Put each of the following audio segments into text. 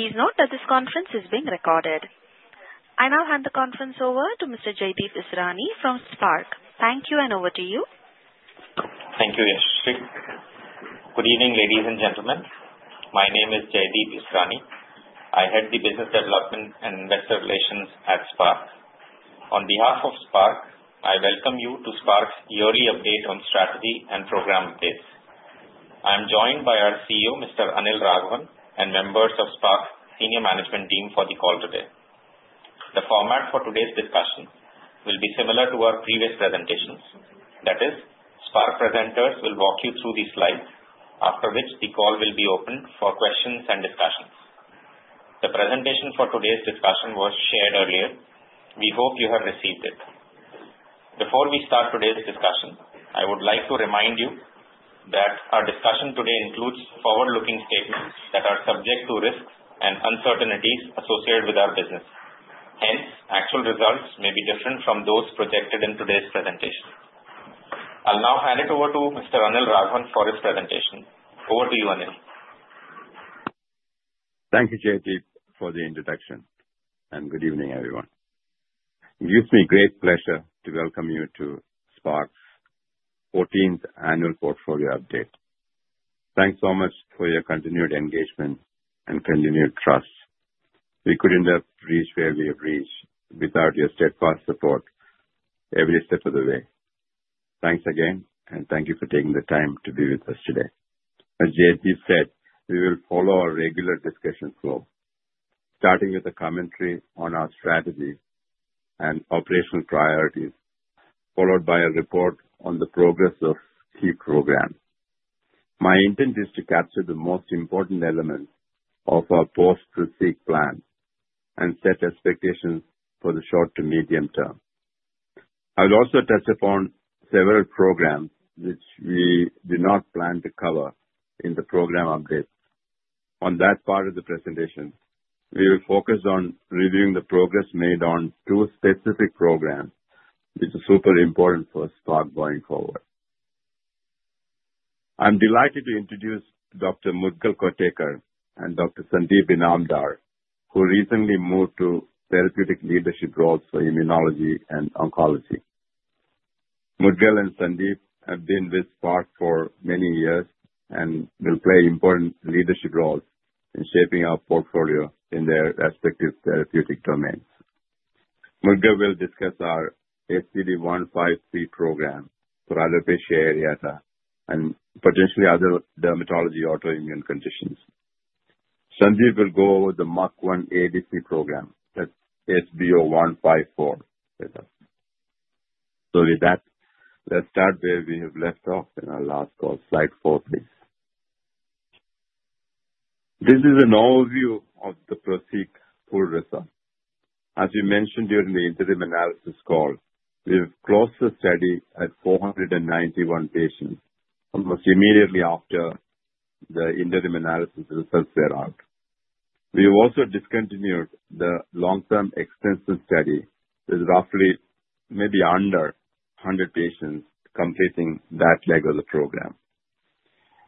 Please note that this conference is being recorded. I now hand the conference over to Mr. Jaydeep Israni from SPARC. Thank you, and over to you. Thank you, Yashree. Good evening, ladies and gentlemen. My name is Jaydeep Israni. I head the Business Development and Investor Relations at SPARC. On behalf of SPARC, I welcome you to SPARC's yearly update on strategy and program updates. I'm joined by our CEO, Mr. Anil Raghavan, and members of SPARC's senior management team for the call today. The format for today's discussion will be similar to our previous presentations. That is, SPARC presenters will walk you through these slides, after which the call will be open for questions and discussions. The presentation for today's discussion was shared earlier. We hope you have received it. Before we start today's discussion, I would like to remind you that our discussion today includes forward-looking statements that are subject to risks and uncertainties associated with our business. Hence, actual results may be different from those projected in today's presentation. I'll now hand it over to Mr. Anil Raghavan for his presentation. Over to you, Anil. Thank you, Jaydeep, for the introduction, and good evening, everyone. It gives me great pleasure to welcome you to SPARC's 14th annual portfolio update. Thanks so much for your continued engagement and continued trust. We couldn't have reached where we have reached without your steadfast support every step of the way. Thanks again, and thank you for taking the time to be with us today. As Jaydeep said, we will follow our regular discussion flow, starting with a commentary on our strategy and operational priorities, followed by a report on the progress of key programs. My intent is to capture the most important elements of our post-PROSEEK plan and set expectations for the short to medium term. I will also touch upon several programs which we do not plan to cover in the program update. On that part of the presentation, we will focus on reviewing the progress made on two specific programs, which is super important for SPARC going forward. I'm delighted to introduce Dr. Mudgal Kothekar and Dr. Sandeep Inamdar, who recently moved to therapeutic leadership roles for immunology and oncology. Mudgal and Sandeep have been with SPARC for many years and will play important leadership roles in shaping our portfolio in their respective therapeutic domains. Mudgal will discuss our SCD-153 program for alopecia areata and potentially other dermatology autoimmune conditions. Sandeep will go over the MACH-1 ADC program, that's SBO-154. So with that, let's start where we have left off in our last call, slide four, please. This is an overview of the PROSEEK pooled result. As we mentioned during the interim analysis call, we have closed the study at 491 patients almost immediately after the interim analysis results were out. We have also discontinued the long-term extension study with roughly maybe under 100 patients completing that leg of the program.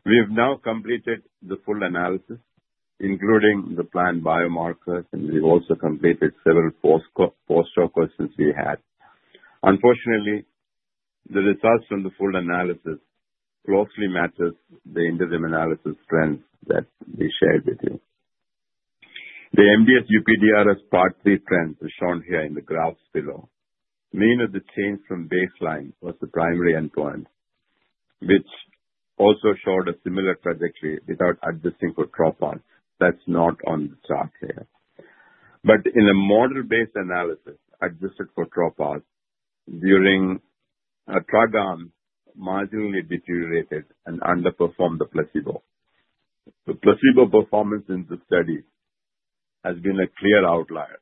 We have now completed the full analysis, including the planned biomarkers, and we've also completed several post-hoc questions we had. Unfortunately, the results from the full analysis closely match the interim analysis trends that we shared with you. The MDS-UPDRS part three trends are shown here in the graphs below. Mean of the change from baseline was the primary endpoint, which also showed a similar trajectory without adjusting for dropouts. That's not on the chart here. But in a model-based analysis, adjusted for dropouts during a drug arm marginally deteriorated and underperformed the placebo. The placebo performance in the study has been a clear outlier,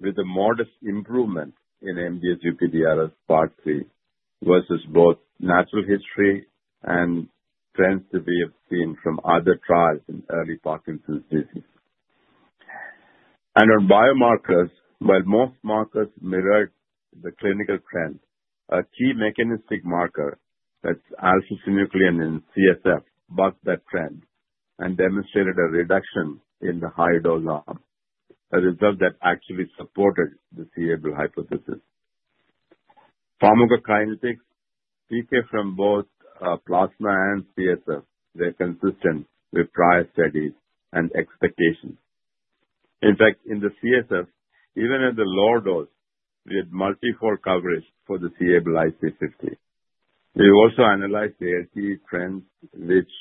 with a modest improvement in MDS-UPDRS part three versus both natural history and trends that we have seen from other trials in early Parkinson's disease, and on biomarkers, while most markers mirrored the clinical trend, a key mechanistic marker, that's alpha-synuclein and CSF, bucked that trend and demonstrated a reduction in the high-dose arm, a result that actually supported the c-Abl hypothesis. Pharmacokinetics, peaking from both plasma and CSF, were consistent with prior studies and expectations. In fact, in the CSF, even at the lower dose, we had multi-fold coverage for the c-Abl IC50. We also analyzed the LTE trends, which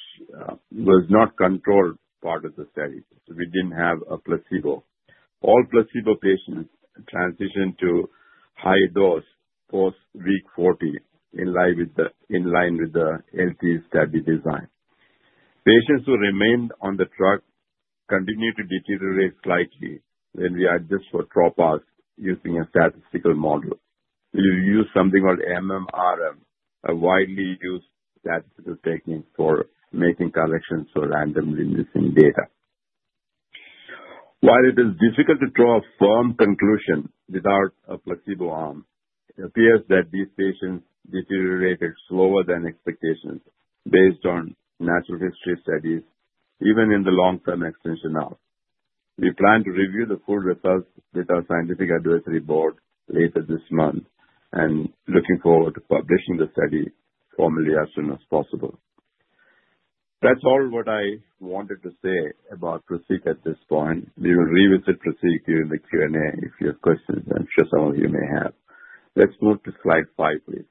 was not a controlled part of the study, so we didn't have a placebo. All placebo patients transitioned to high dose post week 40, in line with the LTE study design. Patients who remained on the drug continued to deteriorate slightly when we adjusted for dropouts using a statistical model. We used something called MMRM, a widely used statistical technique for making corrections for randomly missing data. While it is difficult to draw a firm conclusion without a placebo arm, it appears that these patients deteriorated slower than expectations based on natural history studies, even in the long-term extension arm. We plan to review the full results with our scientific advisory board later this month, and looking forward to publishing the study formally as soon as possible. That's all what I wanted to say about PROSEEK at this point. We will revisit PROSEEK during the Q&A if you have questions, and I'm sure some of you may have. Let's move to slide five, please.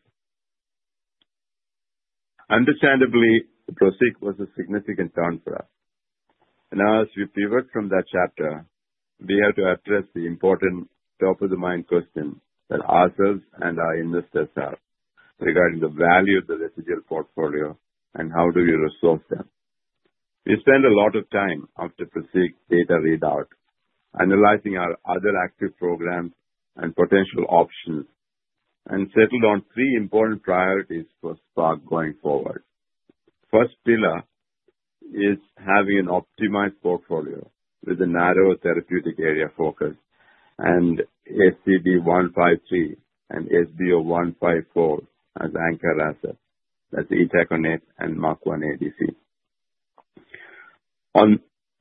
Understandably, PROSEEK was a significant turn for us. Now, as we pivot from that chapter, we have to address the important top-of-the-mind question that ourselves and our investors have regarding the value of the residual portfolio and how do we resolve them. We spent a lot of time after PROSEEK data readout analyzing our other active programs and potential options and settled on three important priorities for SPARC going forward. First pillar is having an optimized portfolio with a narrow therapeutic area focus and SCD-153 and SBO-154 as anchor assets. That's Itaconate and MACH-1 ADC.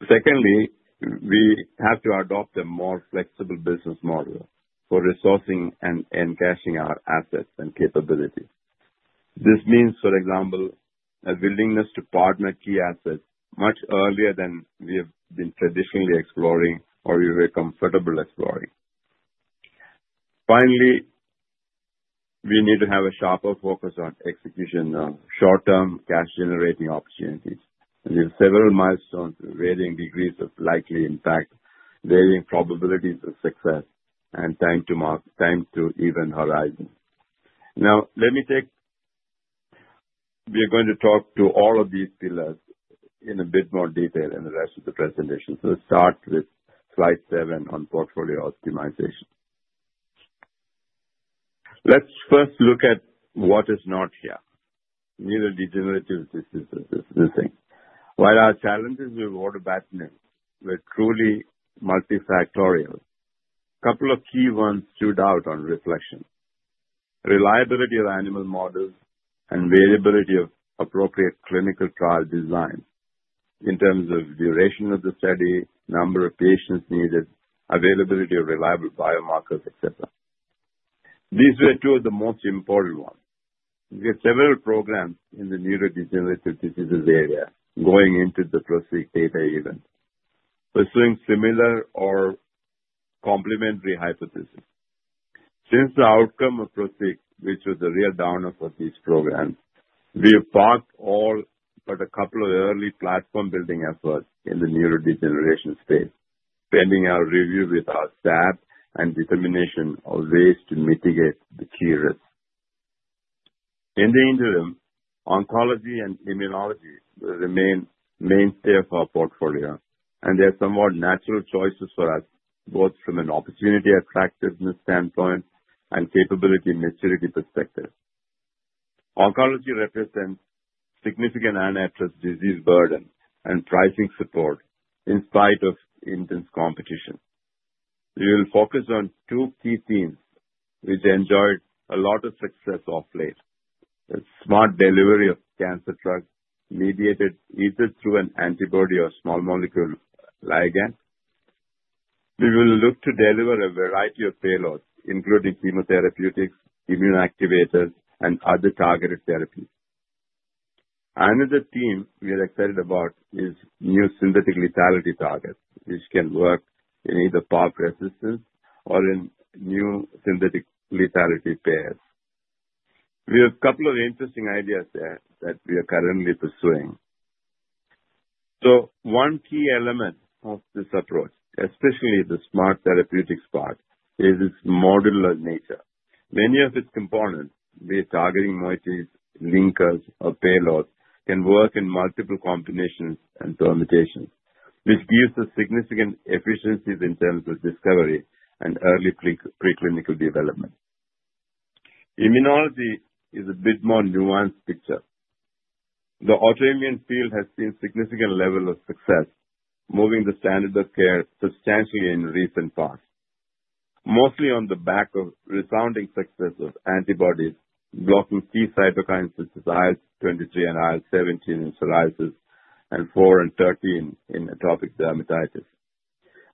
Secondly, we have to adopt a more flexible business model for resourcing and cashing our assets and capabilities. This means, for example, a willingness to partner key assets much earlier than we have been traditionally exploring or we were comfortable exploring. Finally, we need to have a sharper focus on execution of short-term cash-generating opportunities. We have several milestones varying degrees of likely impact, varying probabilities of success, and time to event horizon. Now, let me take. We are going to talk to all of these pillars in a bit more detail in the rest of the presentation. So let's start with slide seven on portfolio optimization. Let's first look at what is not here. Neurodegenerative disease is missing. While our challenges with Vodobatinib were truly multifactorial, a couple of key ones stood out on reflection: reliability of animal models and variability of appropriate clinical trial design in terms of duration of the study, number of patients needed, availability of reliable biomarkers, etc. These were two of the most important ones. We had several programs in the neurodegenerative diseases area going into the PROSEEK data event, pursuing similar or complementary hypotheses. Since the outcome of PROSEEK, which was a real downer for these programs, we have parked all but a couple of early platform-building efforts in the neurodegeneration space, pending our review with our staff and determination of ways to mitigate the key risks. In the interim, oncology and immunology will remain mainstay of our portfolio, and they are somewhat natural choices for us, both from an opportunity attractiveness standpoint and capability maturity perspective. Oncology represents significant unaddressed disease burden and pricing support in spite of intense competition. We will focus on two key themes which enjoyed a lot of success of late: smart delivery of cancer drugs mediated either through an antibody or small molecule ligand. We will look to deliver a variety of payloads, including chemotherapeutics, immunoactivators, and other targeted therapies. Another theme we are excited about is new synthetic lethality targets, which can work in either PARP resistance or in new synthetic lethality pairs. We have a couple of interesting ideas there that we are currently pursuing. So one key element of this approach, especially the smart therapeutic part, is its modular nature. Many of its components, be it targeting moieties, linkers, or payloads, can work in multiple combinations and permutations, which gives us significant efficiencies in terms of discovery and early preclinical development. Immunology is a bit more nuanced picture. The autoimmune field has seen a significant level of success, moving the standard of care substantially in recent years, mostly on the back of resounding success of antibodies blocking key cytokines such as IL-23 and IL-17 in psoriasis and IL-4 and IL-13 in atopic dermatitis.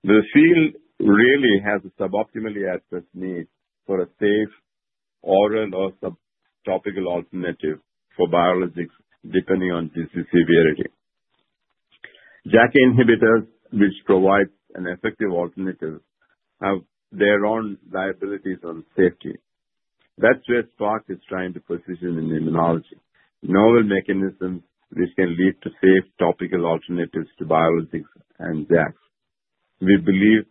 The field really has a suboptimally addressed need for a safe oral or subtopical alternative for biologics depending on disease severity. JAK inhibitors, which provide an effective alternative, have their own liabilities on safety. That's where SPARC is trying to position in immunology: novel mechanisms which can lead to safe topical alternatives to biologics and JAKs. We believe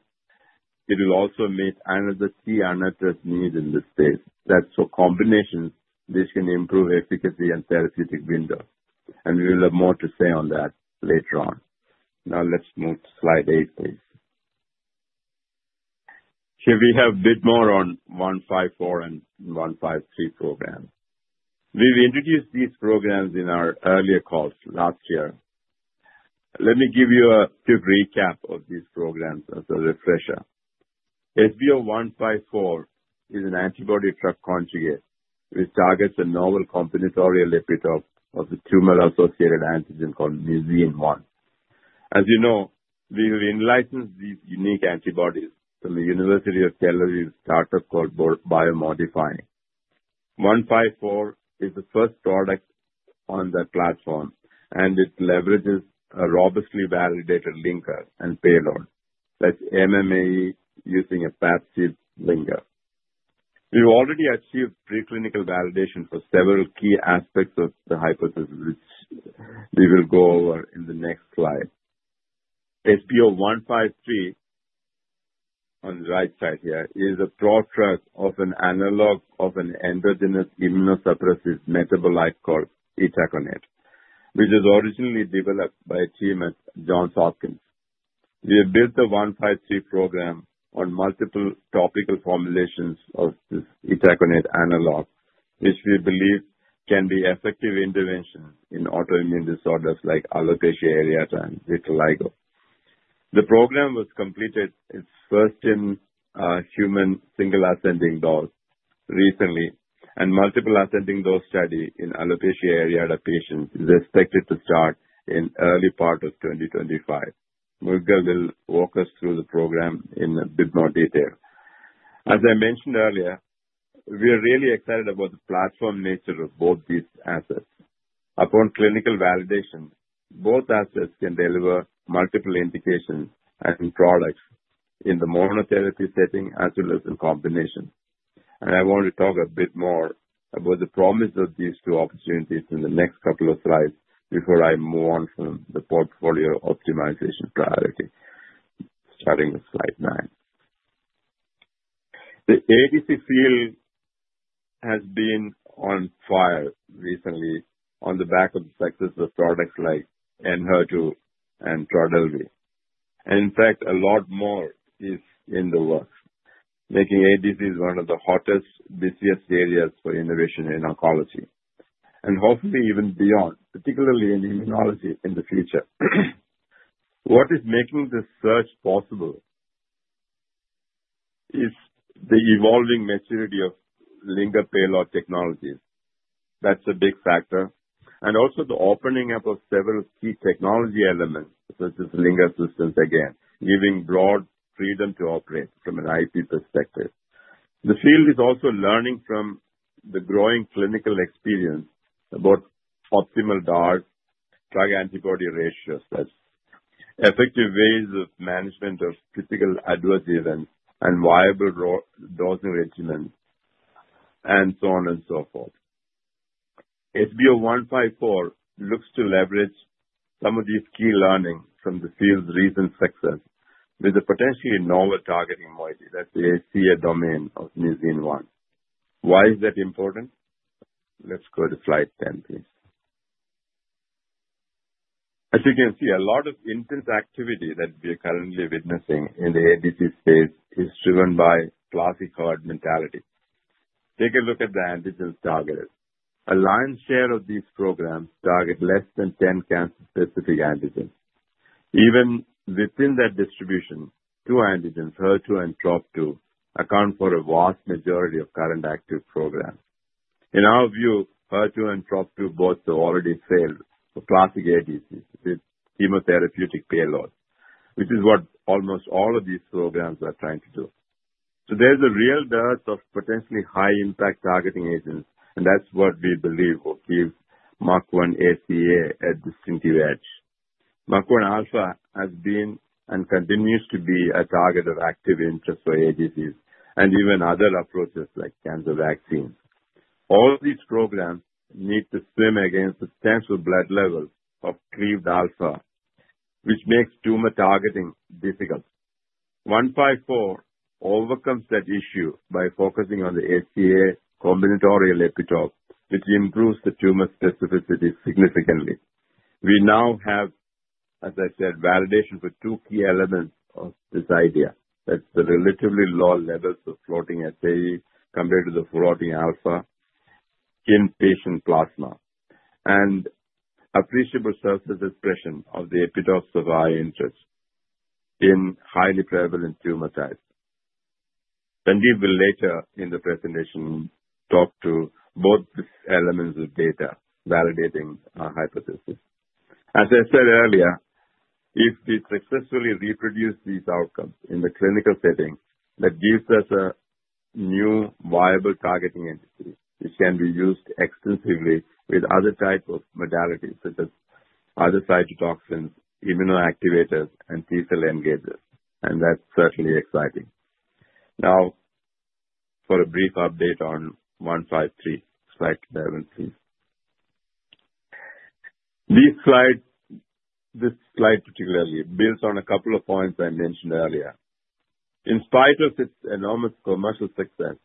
it will also meet another key unaddressed need in this space. That's for combinations which can improve efficacy and therapeutic window. And we will have more to say on that later on. Now, let's move to slide eight, please. Here we have a bit more on 154 and 153 programs. We've introduced these programs in our earlier calls last year. Let me give you a quick recap of these programs as a refresher. SBO-154 is an antibody-drug conjugate which targets a novel combinatorial epitope of the tumor-associated antigen called mucin-1. As you know, we have in-licensed these unique antibodies from the University of Tel Aviv startup called Biomodifying. 154 is the first product on that platform, and it leverages a robustly validated linker and payload, that's MMAE using a PABC linker. We've already achieved preclinical validation for several key aspects of the hypothesis, which we will go over in the next slide. SCD-153, on the right side here, is a prototype of an analog of an endogenous immunosuppressive metabolite called Itaconate, which was originally developed by a team at Johns Hopkins. We have built the 153 program on multiple topical formulations of this Itaconate analog, which we believe can be effective intervention in autoimmune disorders like alopecia areata and vitiligo. The program has completed its first-in-human single-ascending dose recently, and multiple-ascending dose study in alopecia areata patients is expected to start in early part of 2025. Mudgal will walk us through the program in a bit more detail. As I mentioned earlier, we are really excited about the platform nature of both these assets. Upon clinical validation, both assets can deliver multiple indications and products in the monotherapy setting as well as in combination, and I want to talk a bit more about the promise of these two opportunities in the next couple of slides before I move on from the portfolio optimization priority, starting with slide nine. The ADC field has been on fire recently on the back of the success of products like Enhertu and Trodelvy, and in fact, a lot more is in the works, making ADC one of the hottest, busiest areas for innovation in oncology, and hopefully even beyond, particularly in immunology in the future. What is making this search possible is the evolving maturity of linker payload technologies. That's a big factor. And also the opening up of several key technology elements, such as linker systems again, giving broad freedom to operate from an IP perspective. The field is also learning from the growing clinical experience about optimal DARs, drug-antibody ratios, that's effective ways of management of critical adverse events and viable dosing regimens, and so on and so forth. SBO-154 looks to leverage some of these key learnings from the field's recent success with a potentially novel targeting moiety, that's the SEA domain of MUC1. Why is that important? Let's go to slide 10, please. As you can see, a lot of intense activity that we are currently witnessing in the ADC space is driven by classic herd mentality. Take a look at the antigens targeted. A lion's share of these programs target less than 10 cancer-specific antigens. Even within that distribution, two antigens, HER2 and TROP2, account for a vast majority of current active programs. In our view, HER2 and TROP2 both have already failed for classic ADCs with chemotherapeutic payloads, which is what almost all of these programs are trying to do. So there's a real dearth of potentially high-impact targeting agents, and that's what we believe will give MACH-1 ADC a distinctive edge. MUC1 alpha has been and continues to be a target of active interest for ADCs and even other approaches like cancer vaccines. All these programs need to swim against substantial blood levels of cleaved alpha, which makes tumor targeting difficult. 154 overcomes that issue by focusing on the SEA combinatorial epitope, which improves the tumor specificity significantly. We now have, as I said, validation for two key elements of this idea. That's the relatively low levels of floating SEA compared to the floating alpha in patient plasma and appreciable surface expression of the epitopes of high interest in highly prevalent tumor types. Sandeep will later in the presentation talk to both these elements of data validating our hypothesis. As I said earlier, if we successfully reproduce these outcomes in the clinical setting, that gives us a new viable targeting entity which can be used extensively with other types of modalities such as other cytotoxins, immunoactivators, and T cell engagers. And that's certainly exciting. Now, for a brief update on 153, slide seven, please. This slide, particularly, builds on a couple of points I mentioned earlier. In spite of its enormous commercial success,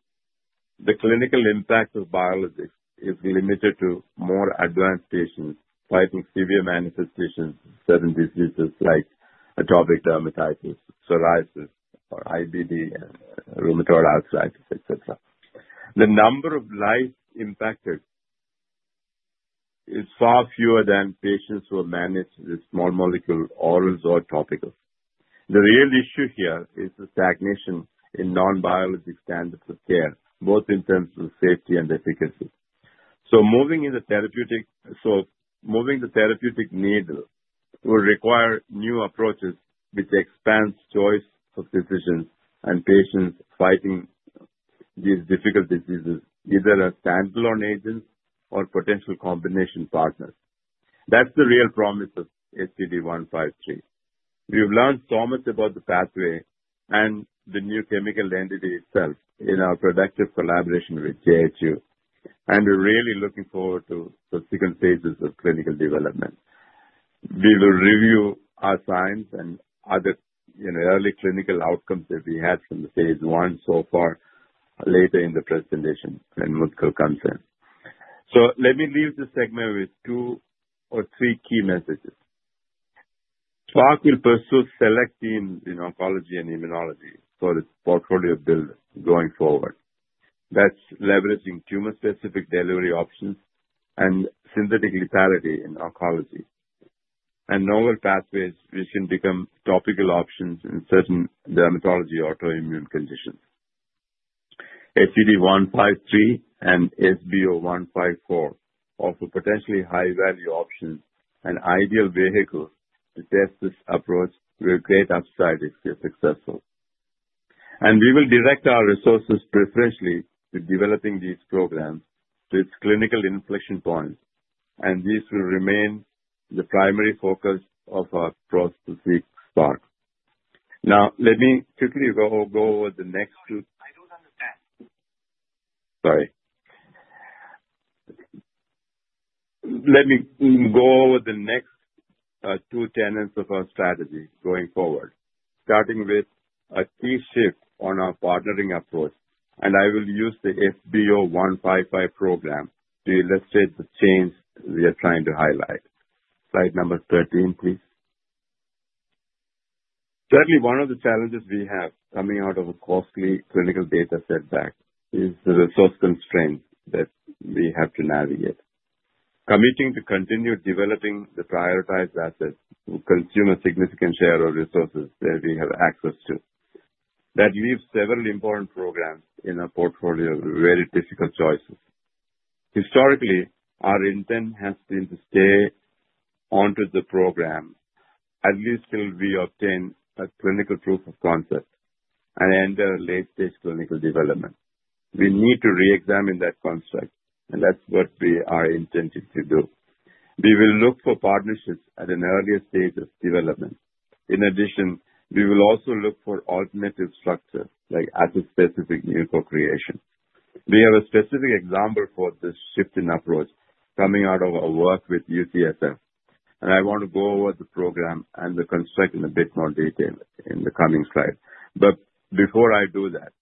the clinical impact of biologics is limited to more advanced patients fighting severe manifestations of certain diseases like atopic dermatitis, psoriasis, or IBD, rheumatoid arthritis, etc. The number of lives impacted is far fewer than patients who are managed with small molecule orals or topicals. The real issue here is the stagnation in non-biologic standards of care, both in terms of safety and efficacy. So moving the therapeutic needle will require new approaches which expand choice of decisions and patients fighting these difficult diseases, either as standalone agents or potential combination partners. That's the real promise of SCD-153. We have learned so much about the pathway and the new chemical entity itself in our productive collaboration with JHU. And we're really looking forward to subsequent phases of clinical development. We will review our science and other early clinical outcomes that we had from the phase 1 so far later in the presentation when Mudgal comes in. So let me leave this segment with two or three key messages. SPARC will pursue select teams in oncology and immunology for its portfolio build going forward. That's leveraging tumor-specific delivery options and synthetic lethality in oncology and novel pathways which can become topical options in certain dermatology autoimmune conditions. SCD-153 and SBO-154 offer potentially high-value options and ideal vehicles to test this approach with great upside if they're successful. We will direct our resources preferentially to developing these programs to its clinical inflection points. These will remain the primary focus of our process with SPARC. Let me go over the next two tenets of our strategy going forward, starting with a key shift on our partnering approach. I will use the SBO-155 program to illustrate the change we are trying to highlight. Slide number 13, please. Certainly, one of the challenges we have coming out of a costly clinical data setback is the resource constraints that we have to navigate. Committing to continue developing the prioritized assets will consume a significant share of resources that we have access to. That leaves several important programs in our portfolio with very difficult choices. Historically, our intent has been to stay on to the program at least till we obtain a clinical proof of concept and enter late-stage clinical development. We need to re-examine that construct, and that's what we are intending to do. We will look for partnerships at an earlier stage of development. In addition, we will also look for alternative structures like asset-specific new co-creation. We have a specific example for this shift in approach coming out of our work with UCSF. I want to go over the program and the construct in a bit more detail in the coming slide. Before I do that,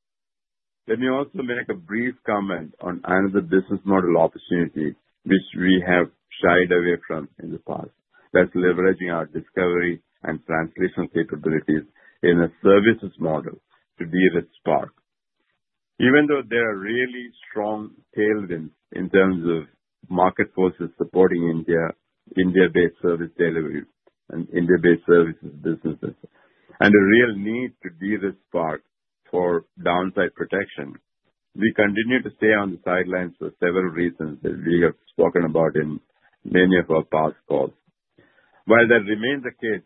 let me also make a brief comment on another business model opportunity which we have shied away from in the past. That's leveraging our discovery and translational capabilities in a services model to de-risk SPARC. Even though there are really strong tailwinds in terms of market forces supporting India-based service delivery and India-based services businesses and a real need to de-risk SPARC for downside protection, we continue to stay on the sidelines for several reasons that we have spoken about in many of our past calls. While that remains the case,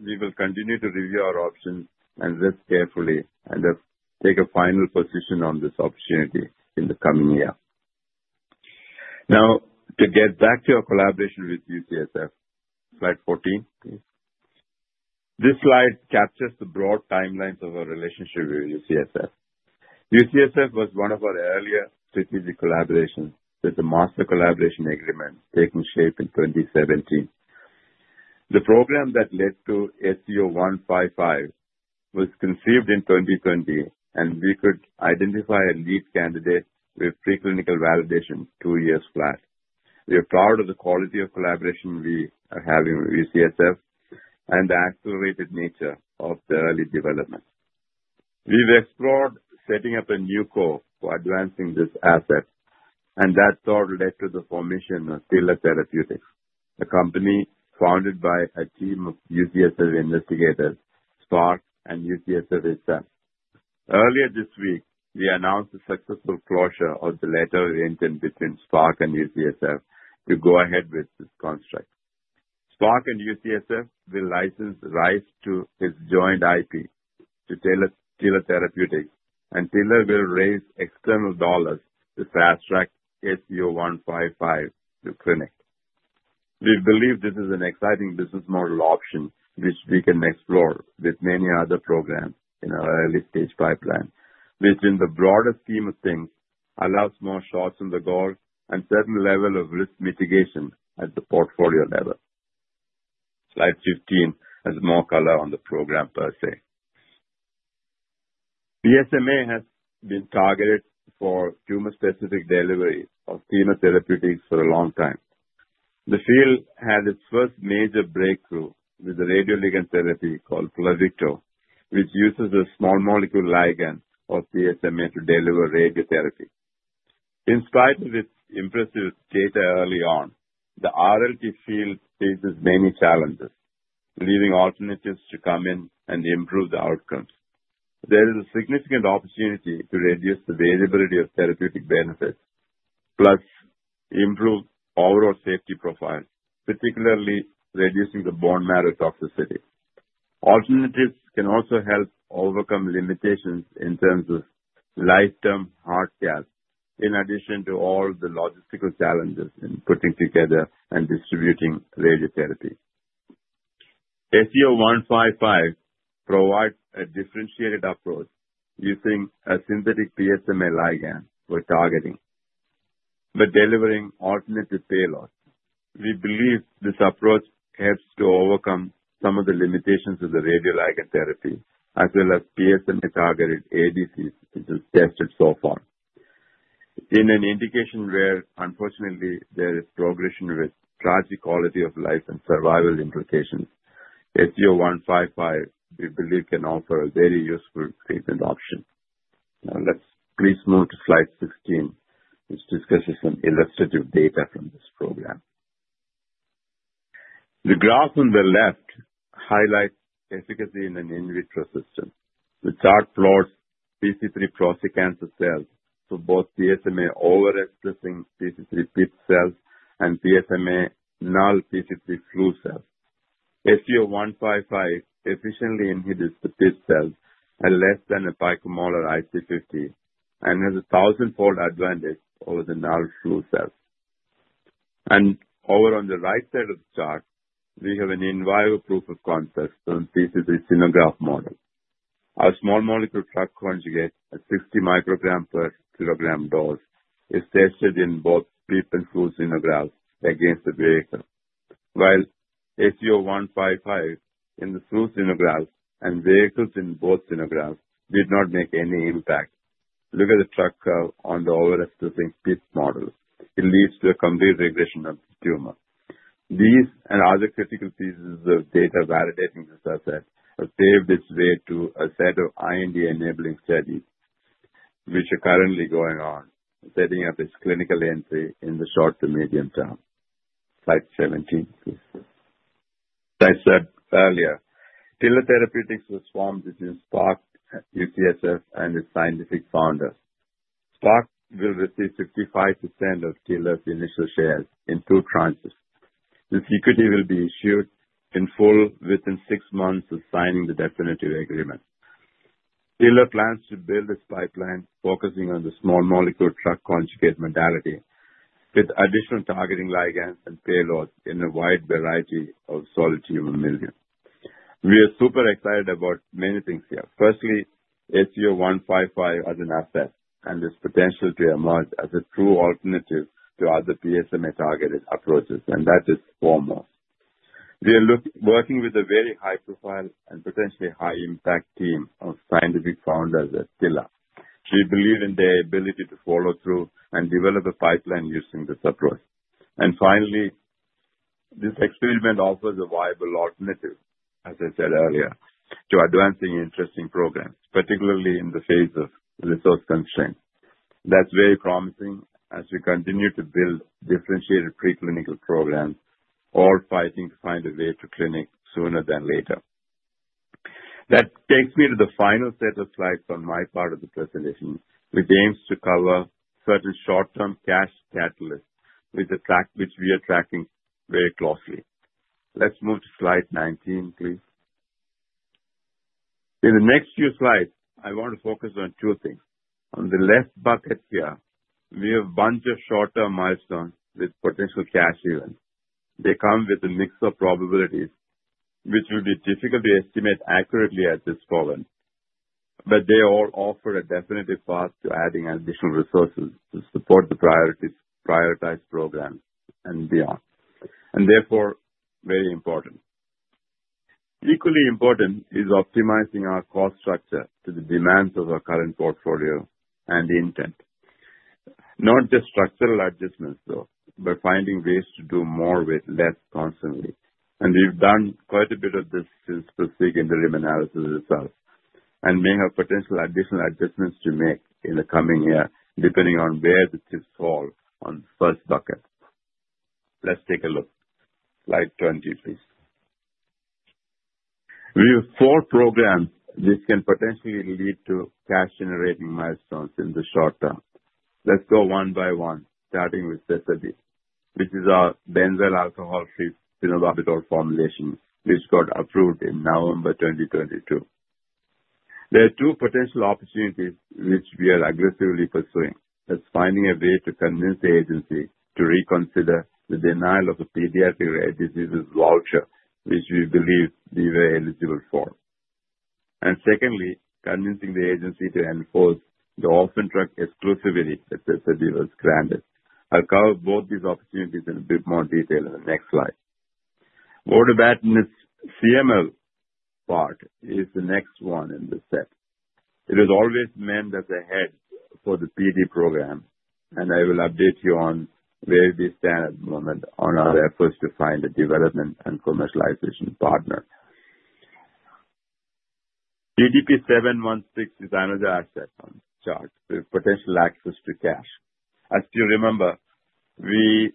we will continue to review our options and risk carefully and take a final position on this opportunity in the coming year. Now, to get back to our collaboration with UCSF, slide 14, please. This slide captures the broad timelines of our relationship with UCSF. UCSF was one of our earlier strategic collaborations with the Master Collaboration Agreement taking shape in 2017. The program that led to SBO-155 was conceived in 2020, and we could identify a lead candidate with preclinical validation two years flat. We are proud of the quality of collaboration we are having with UCSF and the accelerated nature of the early development. We've explored setting up a new core for advancing this asset, and that thought led to the formation of Thila Therapeutics, a company founded by a team of UCSF investigators, SPARC and UCSF itself. Earlier this week, we announced the successful closure of the letter of intent between SPARC and UCSF to go ahead with this construct. SPARC and UCSF will license rights to its joint IP to Thila Therapeutics, and Thila will raise external dollars to fast-track SBO-155 to clinic. We believe this is an exciting business model option which we can explore with many other programs in our early-stage pipeline, which in the broader scheme of things allows more shots in the goal and a certain level of risk mitigation at the portfolio level. Slide 15 has more color on the program per se. PSMA has been targeted for tumor-specific delivery of chemotherapeutics for a long time. The field had its first major breakthrough with a radioligand therapy called Pluvicto, which uses a small molecule ligand of PSMA to deliver radiotherapy. In spite of its impressive data early on, the RLT field faces many challenges, leaving alternatives to come in and improve the outcomes. There is a significant opportunity to reduce the variability of therapeutic benefits, plus improve overall safety profiles, particularly reducing the bone marrow toxicity. Alternatives can also help overcome limitations in terms of lifetime heart caths, in addition to all the logistical challenges in putting together and distributing radiotherapy. SBO-155 provides a differentiated approach using a synthetic PSMA ligand for targeting, but delivering alternative payloads. We believe this approach helps to overcome some of the limitations of the radioligand therapy, as well as PSMA-targeted ADCs which have been tested so far. In an indication where, unfortunately, there is progression with tragic quality of life and survival implications, SBO-155 we believe can offer a very useful treatment option. Now, let's please move to slide 16, which discusses some illustrative data from this program. The graph on the left highlights efficacy in an in vitro system with tafloors, PC3 prostate cancer cells for both PSMA over-expressing PC3-PIP cells and PSMA null PC3-flu cells. SBO-155 efficiently inhibits the PIP cells at less than a picomolar IC50 and has a thousandfold advantage over the null flu cells. Over on the right side of the chart, we have an in vivo proof of concept on PC3 xenograft model. Our small molecule drug conjugate at 60 micrograms per kilogram dose is tested in both PIP and flu xenografts against the vehicle, while SBO-155 in the flu xenografts and vehicles in both xenografts did not make any impact. Look at the growth curve on the over-expressing PIP model. It leads to a complete regression of the tumor. These and other critical pieces of data validating this asset have paved its way to a set of IND-enabling studies which are currently going on, setting up its clinical entry in the short to medium term. Slide 17, please. As I said earlier, Thila Therapeutics was formed between SPARC, UCSF, and its scientific founders. SPARC will receive 55% of Thila's initial shares in two tranches. The equity will be issued in full within six months of signing the definitive agreement. Thila plans to build its pipeline focusing on the small molecule drug conjugate modality with additional targeting ligands and payloads in a wide variety of solid tumor media. We are super excited about many things here. Firstly, SBO-155 as an asset and its potential to emerge as a true alternative to other PSMA-targeted approaches, and that is foremost. We are working with a very high-profile and potentially high-impact team of scientific founders at Thila. We believe in their ability to follow through and develop a pipeline using this approach. And finally, this experiment offers a viable alternative, as I said earlier, to advancing interesting programs, particularly in the face of resource constraints. That's very promising as we continue to build differentiated preclinical programs all fighting to find a way to clinic sooner than later. That takes me to the final set of slides on my part of the presentation, which aims to cover certain short-term cash catalysts which we are tracking very closely. Let's move to slide 19, please. In the next few slides, I want to focus on two things. On the left bucket here, we have a bunch of short-term milestones with potential cash events. They come with a mix of probabilities which will be difficult to estimate accurately at this moment. But they all offer a definitive path to adding additional resources to support the prioritized programs and beyond. And therefore, very important. Equally important is optimizing our cost structure to the demands of our current portfolio and intent. Not just structural adjustments, though, but finding ways to do more with less constantly. And we've done quite a bit of this since proceeding interim analysis itself and may have potential additional adjustments to make in the coming year depending on where the chips fall on the first bucket. Let's take a look. Slide 20, please. We have four programs which can potentially lead to cash-generating milestones in the short term. Let's go one by one, starting with Sezaby, which is our benzyl alcohol-free phenobarbital formulation which got approved in November 2022. There are two potential opportunities which we are aggressively pursuing. That's finding a way to convince the agency to reconsider the denial of a pediatric rare diseases voucher which we believe we were eligible for, and secondly, convincing the agency to enforce the orphan drug exclusivity that Sezaby was granted. I'll cover both these opportunities in a bit more detail in the next slide. Vodobatinib's CML part is the next one in the set. It has always meant as a head for the PD program, and I will update you on where we stand at the moment on our efforts to find a development and commercialization partner. PDP-716 is another asset on the chart with potential access to cash. As you remember, we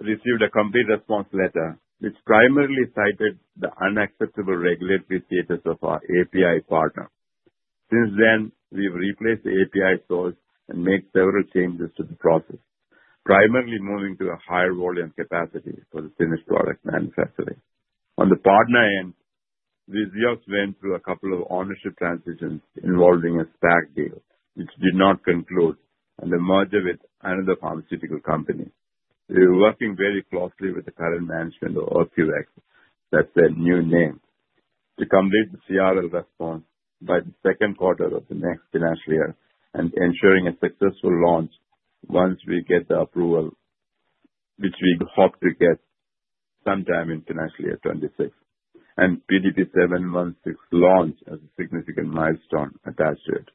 received a Complete Response Letter which primarily cited the unacceptable regulatory status of our API partner. Since then, we've replaced the API source and made several changes to the process, primarily moving to a higher volume capacity for the finished product manufacturing. On the partner end, we just went through a couple of ownership transitions involving a SPAC deal which did not conclude and a merger with another pharmaceutical company. We are working very closely with the current management of ORQX, that's their new name, to complete the CRL response by the second quarter of the next financial year and ensuring a successful launch once we get the approval, which we hope to get sometime in financial year 2026, and PDP-716 launch as a significant milestone attached to it.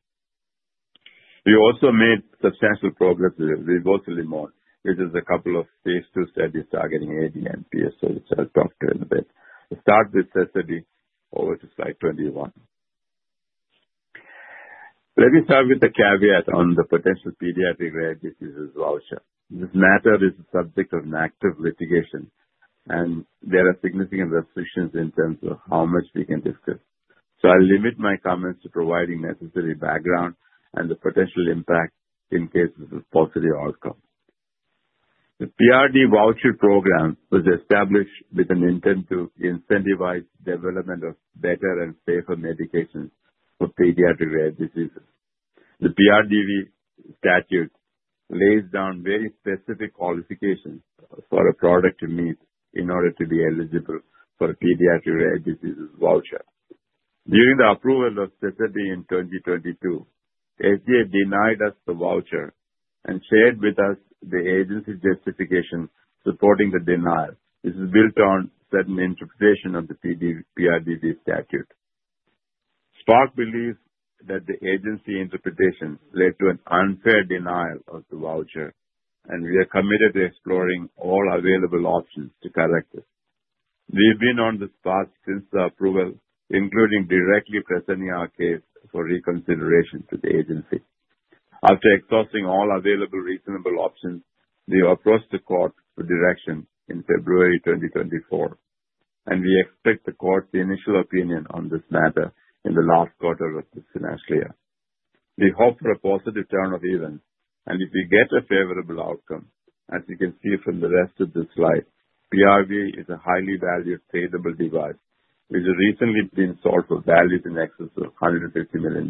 We also made substantial progress with revolutimodl, which is a couple of phase two studies targeting AD and PSA, which I'll talk to you in a bit. We'll start with Sesadine over to slide 21. Let me start with a caveat on the potential pediatric rare diseases voucher. This matter is the subject of an active litigation, and there are significant restrictions in terms of how much we can discuss. So I'll limit my comments to providing necessary background and the potential impact in case of a positive outcome. The PRV voucher program was established with an intent to incentivize the development of better and safer medications for pediatric rare diseases. The PRV statute lays down very specific qualifications for a product to meet in order to be eligible for a pediatric rare diseases voucher. During the approval of Sezaby in 2022, FDA denied us the voucher and shared with us the agency justification supporting the denial, which is built on certain interpretation of the FDA PRV statute. SPARC believes that the agency interpretation led to an unfair denial of the voucher, and we are committed to exploring all available options to correct it. We've been on this path since the approval, including directly presenting our case for reconsideration to the agency. After exhausting all available reasonable options, we approached the court for direction in February 2024, and we expect the court's initial opinion on this matter in the last quarter of this financial year. We hope for a positive turn of events, and if we get a favorable outcome, as you can see from the rest of this slide, PRV is a highly valued tradable device which has recently been sold for valued in excess of $150 million.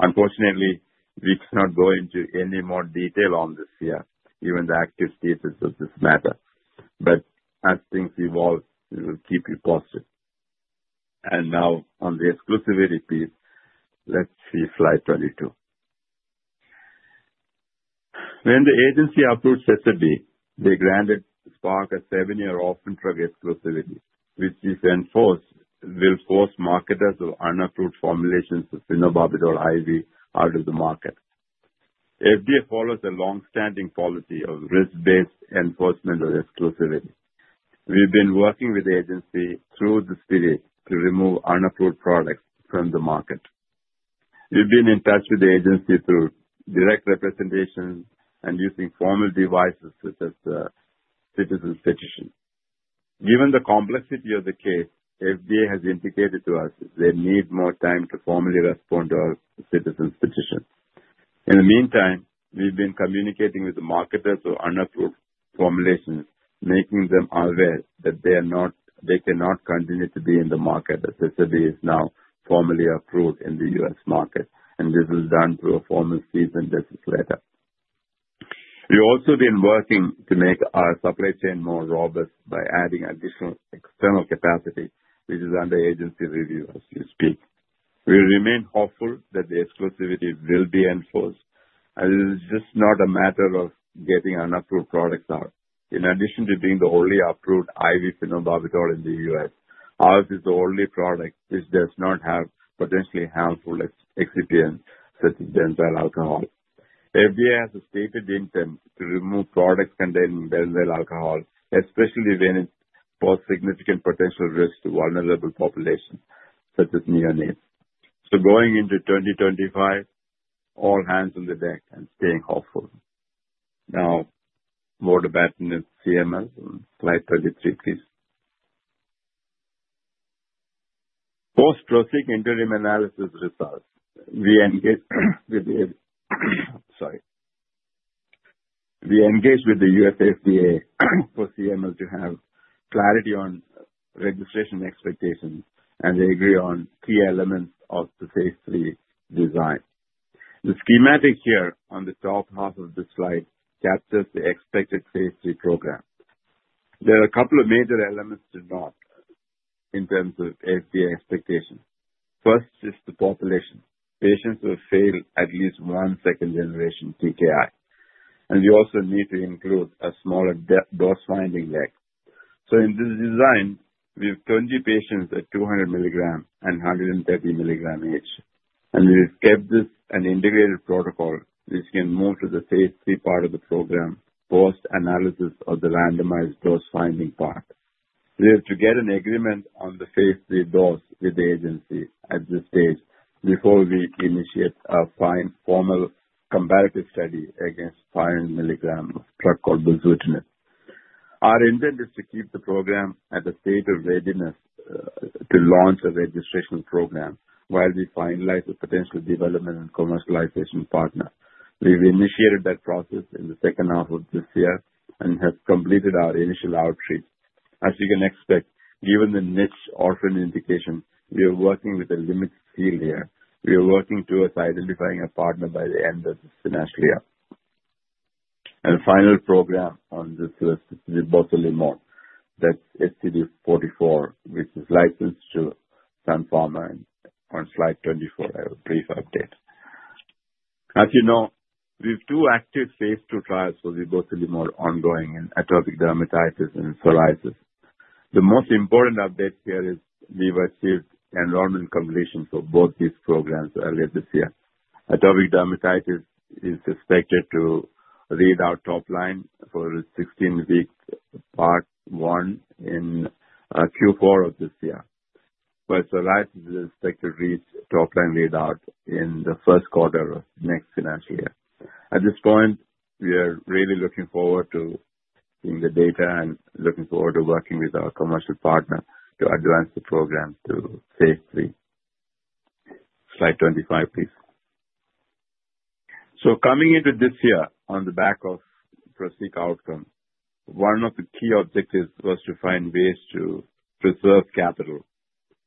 Unfortunately, we cannot go into any more detail on this here, given the active status of this matter. But as things evolve, we will keep you posted. And now, on the exclusivity piece, let's see slide 22. When the agency approved Sesadine, they granted SPARC a seven-year orphan drug exclusivity, which we've enforced will force marketers of unapproved formulations of phenobarbital IV out of the market. FDA follows a longstanding policy of risk-based enforcement of exclusivity. We've been working with the agency through this period to remove unapproved products from the market. We've been in touch with the agency through direct representation and using formal devices such as citizens' petitions. Given the complexity of the case, FDA has indicated to us that they need more time to formally respond to our citizens' petitions. In the meantime, we've been communicating with the marketers of unapproved formulations, making them aware that they cannot continue to be in the market as Sesadine is now formally approved in the U.S. market, and this was done through a formal cease and desist letter. We've also been working to make our supply chain more robust by adding additional external capacity, which is under agency review as we speak. We remain hopeful that the exclusivity will be enforced, as it is just not a matter of getting unapproved products out. In addition to being the only approved IV phenobarbital in the U.S., ours is the only product which does not have potentially harmful excipients such as benzyl alcohol. FDA has a stated intent to remove products containing benzyl alcohol, especially when it poses significant potential risk to vulnerable populations such as neonates. So going into 2025, all hands on the deck and staying hopeful. Now, Vodobatinib CML on slide 33, please. Post-closing interim analysis results. We engage with the U.S. FDA for CML to have clarity on registration expectations, and they agree on key elements of the phase three design. The schematic here on the top half of this slide captures the expected phase three program. There are a couple of major elements to note in terms of FDA expectations. First is the population, patients who have failed at least one second-generation TKI. And we also need to include a smaller dose-finding leg. So in this design, we have 20 patients at 200 milligram and 130 milligram each. And we've kept this an integrated protocol which can move to the phase three part of the program post-analysis of the randomized dose-finding part. We have to get an agreement on the phase 3 dose with the agency at this stage before we initiate a formal comparative study against 500 milligram drug called bosutinib. Our intent is to keep the program at a state of readiness to launch a registration program while we finalize the potential development and commercialization partner. We've initiated that process in the second half of this year and have completed our initial outreach. As you can expect, given the niche orphan indication, we are working with a limited field here. We are working towards identifying a partner by the end of this financial year, and the final program on this list is uncertain That's SCD-044, which is licensed to Sun Pharma on slide 24. I have a brief update. As you know, we have two active phase 2 trials for ongoing in atopic dermatitis and psoriasis. The most important update here is we've achieved enrollment completion for both these programs earlier this year. Atopic dermatitis is expected to read out top line for its 16-week part one in Q4 of this year, but psoriasis is expected to reach top line readout in the first quarter of next financial year. At this point, we are really looking forward to seeing the data and looking forward to working with our commercial partner to advance the program to phase three. Slide 25, please. Coming into this year on the back of preceding outcomes, one of the key objectives was to find ways to preserve capital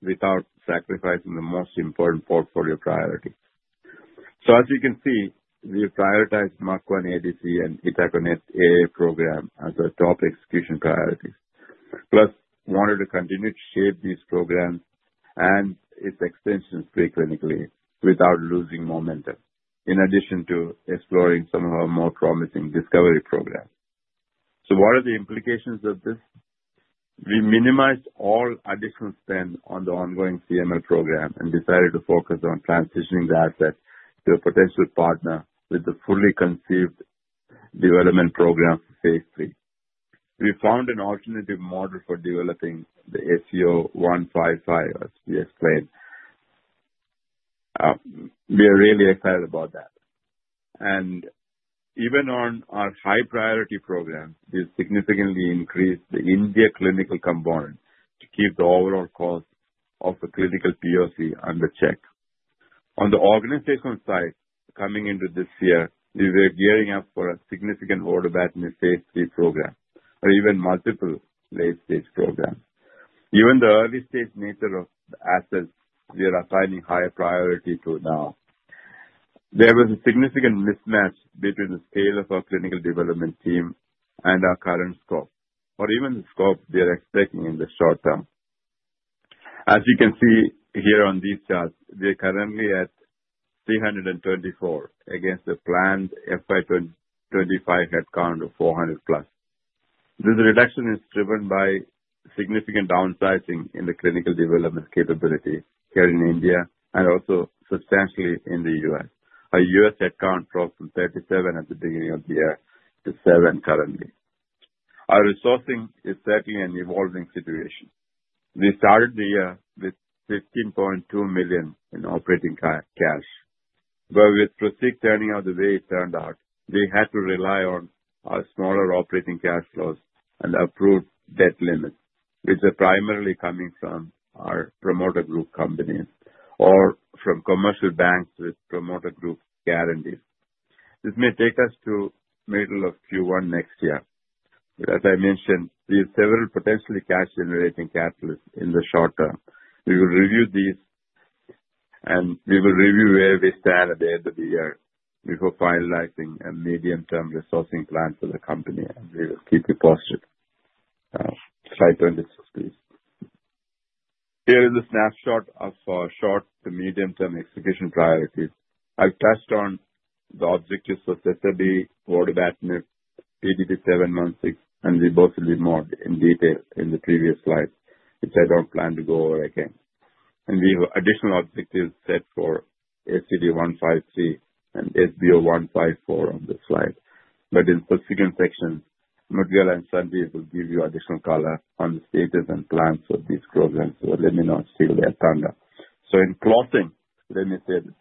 without sacrificing the most important portfolio priority. As you can see, we've prioritized MACH-1 ADC and Itaconate AA program as our top execution priorities, plus wanted to continue to shape these programs and its extensions preclinically without losing momentum in addition to exploring some of our more promising discovery programs. What are the implications of this? We minimized all additional spend on the ongoing CML program and decided to focus on transitioning the asset to a potential partner with the fully conceived development program for phase three. We found an alternative model for developing the SBO-155, as we explained. We are really excited about that. And even on our high-priority program, we've significantly increased the India clinical component to keep the overall cost of the clinical POC under check. On the organizational side, coming into this year, we were gearing up for a significant Vodobatinib phase three program or even multiple late-stage programs. Even the early-stage nature of the assets, we are assigning higher priority to now. There was a significant mismatch between the scale of our clinical development team and our current scope, or even the scope we are expecting in the short term. As you can see here on these charts, we're currently at 324 against the planned FY 25 headcount of 400 plus. This reduction is driven by significant downsizing in the clinical development capability here in India and also substantially in the U.S. Our U.S. headcount dropped from 37 at the beginning of the year to 7 currently. Our resourcing is certainly an evolving situation. We started the year with 15.2 million in operating cash. But with proceed turning out the way it turned out, we had to rely on our smaller operating cash flows and approved debt limits, which are primarily coming from our promoter group companies or from commercial banks with promoter group guarantees. This may take us to middle of Q1 next year. But as I mentioned, we have several potentially cash-generating catalysts in the short term. We will review these, and we will review where we stand at the end of the year before finalizing a medium-term resourcing plan for the company, and we will keep you posted. Slide 26, please. Here is a snapshot of our short to medium-term execution priorities. I've touched on the objectives for Sesadine, Waterbattner, PDP-716, and Revolt Elimon in detail in the previous slides, which I don't plan to go over again. We have additional objectives set for SCD-153 and SBO-154 on this slide. But in the subsequent sections, Mudgal and Sandeep will give you additional color on the status and plans for these programs. So let me not steal their thunder. So in closing, let me say this.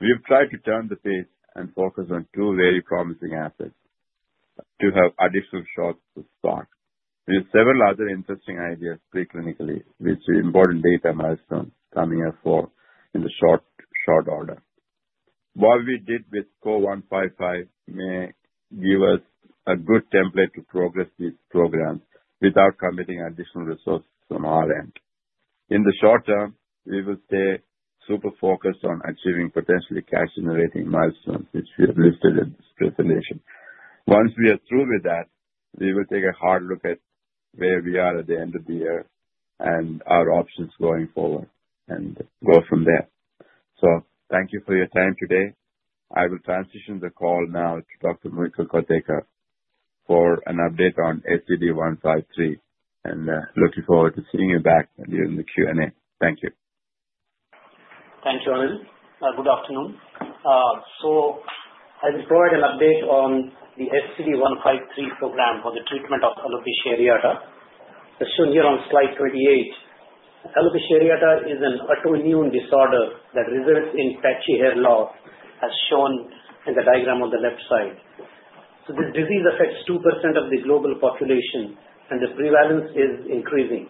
We've tried to turn the page and focus on two very promising assets to have additional shots to SPARC. We have several other interesting ideas preclinically, which are important data milestones coming up in the short order. What we did with SBO-155 may give us a good template to progress these programs without committing additional resources on our end. In the short term, we will stay super focused on achieving potentially cash-generating milestones, which we have listed at this presentation. Once we are through with that, we will take a hard look at where we are at the end of the year and our options going forward and go from there. So thank you for your time today. I will transition the call now to Dr. Mudgal Kotekar for an update on SCD-153, and looking forward to seeing you back during the Q&A. Thank you. Thank you, Anil. Good afternoon. So I will provide an update on the SCD-153 program for the treatment of alopecia areata. As shown here on slide 28, alopecia areata is an autoimmune disorder that results in patchy hair loss, as shown in the diagram on the left side. So this disease affects 2% of the global population, and the prevalence is increasing.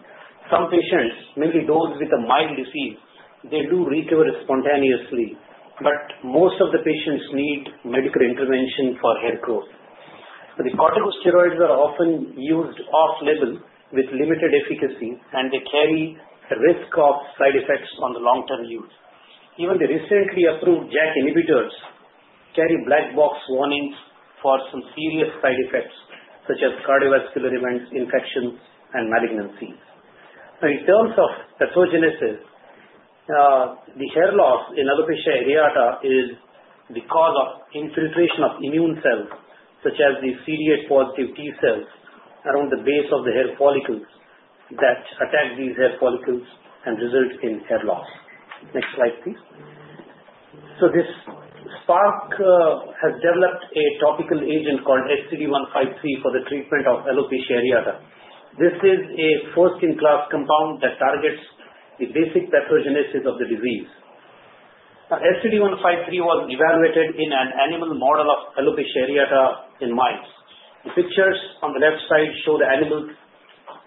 Some patients, mainly those with a mild disease, they do recover spontaneously, but most of the patients need medical intervention for hair growth. The corticosteroids are often used off-label with limited efficacy, and they carry a risk of side effects on the long-term use. Even the recently approved JAK inhibitors carry black box warnings for some serious side effects, such as cardiovascular events, infections, and malignancies. Now, in terms of pathogenesis, the hair loss in alopecia areata is the cause of infiltration of immune cells, such as the CD8 positive T cells around the base of the hair follicles that attack these hair follicles and result in hair loss. Next slide, please. So this SPARC has developed a topical agent called SCD-153 for the treatment of alopecia areata. This is a first-in-class compound that targets the basic pathogenesis of the disease. SCD-153 was evaluated in an animal model of alopecia areata in mice. The pictures on the left side show the animals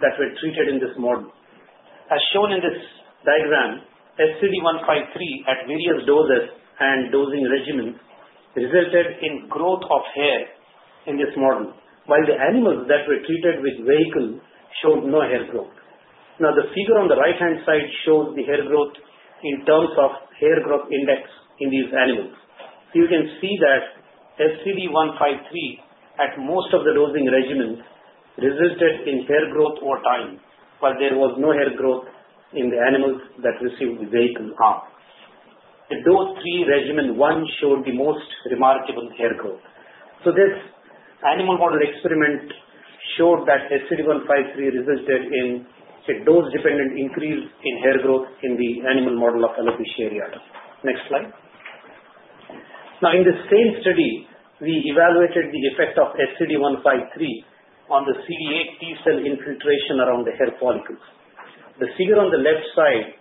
that were treated in this model. As shown in this diagram, SCD-153 at various doses and dosing regimens resulted in growth of hair in this model, while the animals that were treated with vehicles showed no hair growth. Now, the figure on the right-hand side shows the hair growth in terms of hair growth index in these animals. So you can see that SCD-153, at most of the dosing regimens, resulted in hair growth over time, but there was no hair growth in the animals that received the vehicles. The dose three regimen one showed the most remarkable hair growth. So this animal model experiment showed that SCD-153 resulted in a dose-dependent increase in hair growth in the animal model of alopecia areata. Next slide. Now, in the same study, we evaluated the effect of SCD-153 on the CD8 T cell infiltration around the hair follicles. The figure on the left side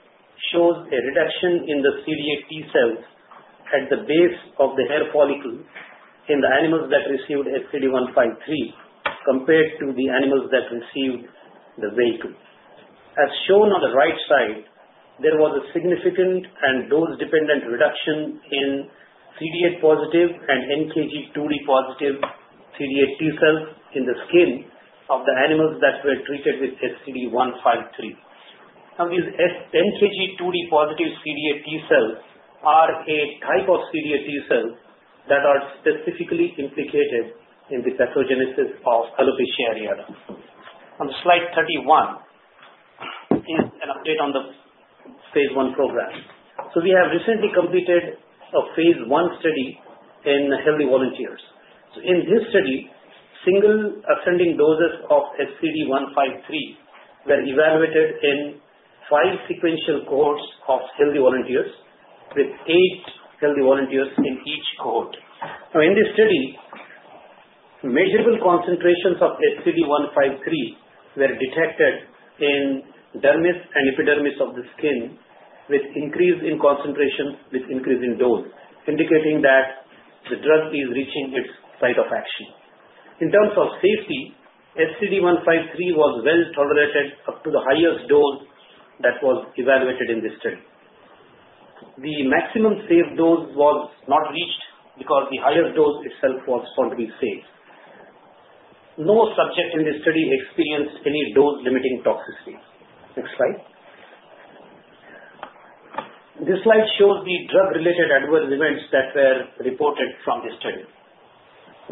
shows a reduction in the CD8 T cells at the base of the hair follicles in the animals that received SCD-153 compared to the animals that received the vehicles. As shown on the right side, there was a significant and dose-dependent reduction in CD8 positive and NKG2D positive CD8 T cells in the skin of the animals that were treated with SCD-153. Now, these NKG2D positive CD8 T cells are a type of CD8 T cell that are specifically implicated in the pathogenesis of alopecia areata. On slide 31 is an update on the phase one program. So we have recently completed a phase one study in healthy volunteers. In this study, single ascending doses of SCD-153 were evaluated in five sequential cohorts of healthy volunteers with eight healthy volunteers in each cohort. Now, in this study, measurable concentrations of SCD-153 were detected in dermis and epidermis of the skin with increase in concentration with increase in dose, indicating that the drug is reaching its site of action. In terms of safety, SCD-153 was well tolerated up to the highest dose that was evaluated in this study. The maximum safe dose was not reached because the highest dose itself was found to be safe. No subject in this study experienced any dose-limiting toxicity. Next slide. This slide shows the drug-related adverse events that were reported from this study.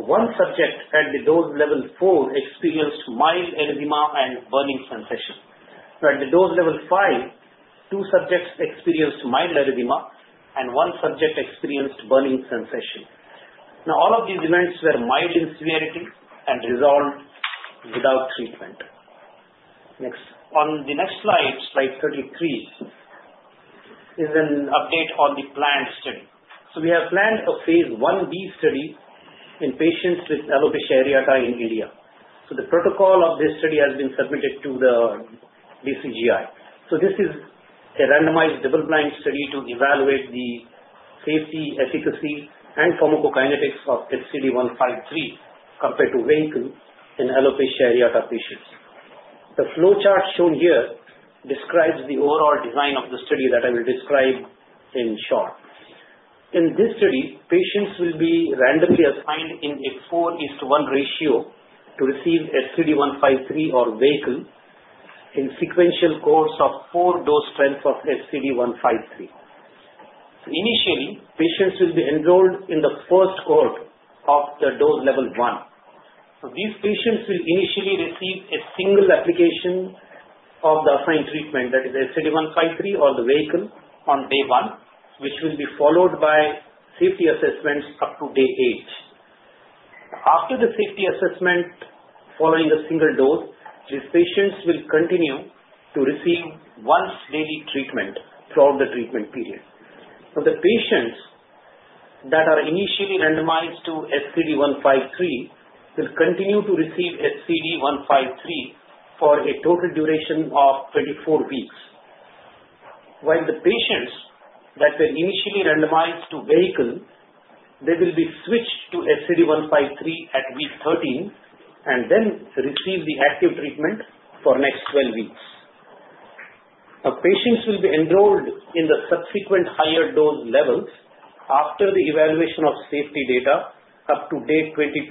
One subject at the dose level four experienced mild eczema and burning sensation. Now, at the dose level five, two subjects experienced mild eczema and one subject experienced burning sensation. Now, all of these events were mild in severity and resolved without treatment. Next. On the next slide, slide 33, is an update on the planned study. So we have planned a phase one B study in patients with alopecia areata in India. So the protocol of this study has been submitted to the DCGI. So this is a randomized double-blind study to evaluate the safety, efficacy, and pharmacokinetics of SDD-153 compared to vehicles in alopecia areata patients. The flow chart shown here describes the overall design of the study that I will describe in short. In this study, patients will be randomly assigned in a four-to-one ratio to receive SDD-153 or vehicle in sequential cohorts of four dose strengths of SDD-153. Initially, patients will be enrolled in the first cohort of the dose level one. These patients will initially receive a single application of the assigned treatment, that is SCD-153 or the vehicle on day one, which will be followed by safety assessments up to day eight. After the safety assessment following a single dose, these patients will continue to receive once-daily treatment throughout the treatment period. Now, the patients that are initially randomized to SCD-153 will continue to receive SCD-153 for a total duration of 24 weeks. While the patients that were initially randomized to vehicle, they will be switched to SCD-153 at week 13 and then receive the active treatment for the next 12 weeks. Now, patients will be enrolled in the subsequent higher dose levels after the evaluation of safety data up to day 22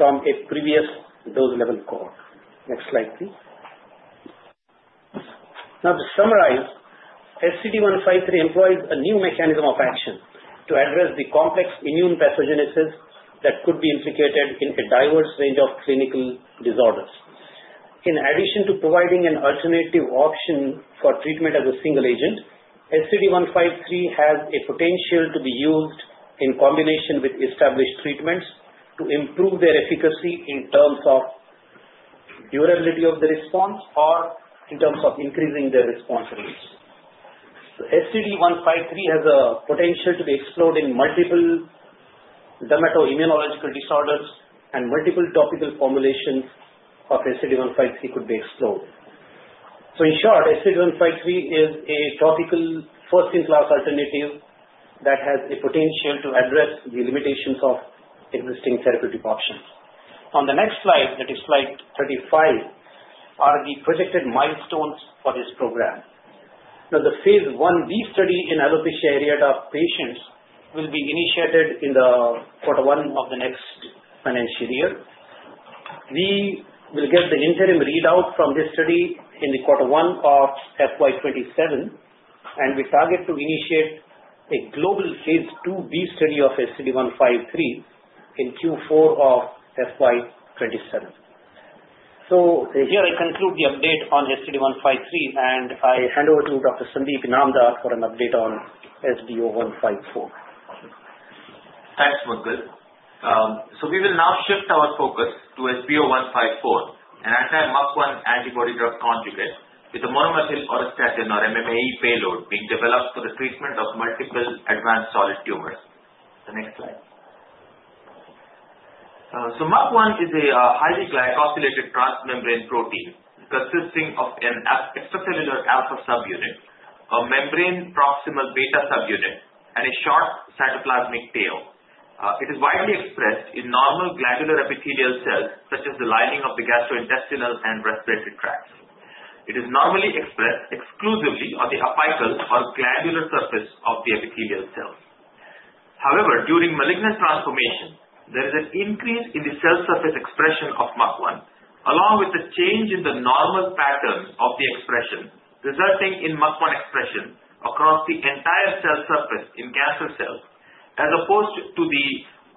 from a previous dose level cohort. Next slide, please. Now, to summarize, SCD-153 employs a new mechanism of action to address the complex immune pathogenesis that could be implicated in a diverse range of clinical disorders. In addition to providing an alternative option for treatment as a single agent, SCD-153 has a potential to be used in combination with established treatments to improve their efficacy in terms of durability of the response or in terms of increasing their response rates. SCD-153 has a potential to be explored in multiple dermato-immunological disorders, and multiple topical formulations of SCD-153 could be explored. So, in short, SCD-153 is a topical first-in-class alternative that has a potential to address the limitations of existing therapeutic options. On the next slide, that is slide 35, are the projected milestones for this program. Now, the phase 1b study in alopecia areata patients will be initiated in quarter one of the next financial year. We will get the interim readout from this study in quarter one of FY 27, and we target to initiate a global phase 2b study of SDD-153 in Q4 of FY 27. So here, I conclude the update on SDD-153, and I hand over to Dr. Sandeep Inamdar for an update on SBO-154. Thanks, Mudgal. So we will now shift our focus to SBO-154 and anti-MUC1 antibody drug conjugate with a monomethyl auristatin, or MMAE, payload being developed for the treatment of multiple advanced solid tumors. The next slide. So MUC1 is a highly glycosylated transmembrane protein consisting of an extracellular alpha subunit, a membrane proximal beta subunit, and a short cytoplasmic tail. It is widely expressed in normal glandular epithelial cells, such as the lining of the gastrointestinal and respiratory tracts. It is normally expressed exclusively on the apical or glandular surface of the epithelial cells. However, during malignant transformation, there is an increase in the cell surface expression of MUC1, along with a change in the normal pattern of the expression, resulting in MUC1 expression across the entire cell surface in cancer cells, as opposed to the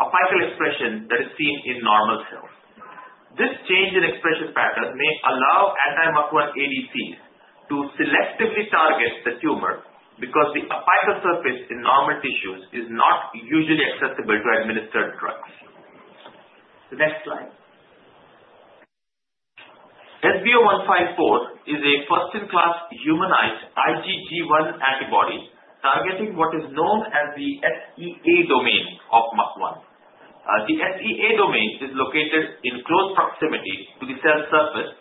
apical expression that is seen in normal cells. This change in expression pattern may allow anti-MUC1 ADCs to selectively target the tumor because the apical surface in normal tissues is not usually accessible to administer drugs. The next slide. SBO-154 is a first-in-class humanized IgG1 antibody targeting what is known as the SEA domain of MUC1. The SEA domain is located in close proximity to the cell surface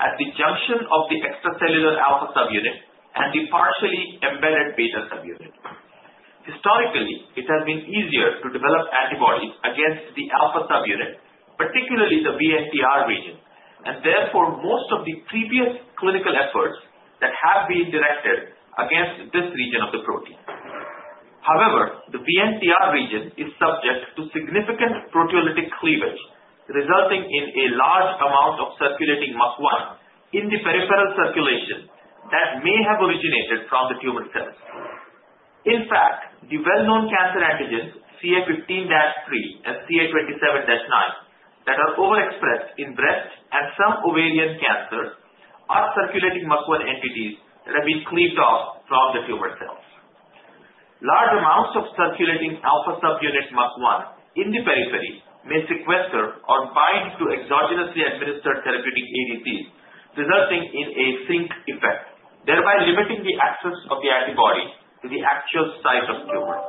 at the junction of the extracellular alpha subunit and the partially embedded beta subunit. Historically, it has been easier to develop antibodies against the alpha subunit, particularly the VNTR region, and therefore most of the previous clinical efforts that have been directed against this region of the protein. However, the VNTR region is subject to significant proteolytic cleavage, resulting in a large amount of circulating MUC1 in the peripheral circulation that may have originated from the tumor cells. In fact, the well-known cancer antigens CA15-3 and CA 27.29 that are overexpressed in breast and some ovarian cancers are circulating MUC1 entities that have been cleaved off from the tumor cells. Large amounts of circulating alpha subunit MUC1 in the periphery may sequester or bind to exogenously administered therapeutic ADCs, resulting in a sink effect, thereby limiting the access of the antibody to the actual site of tumor.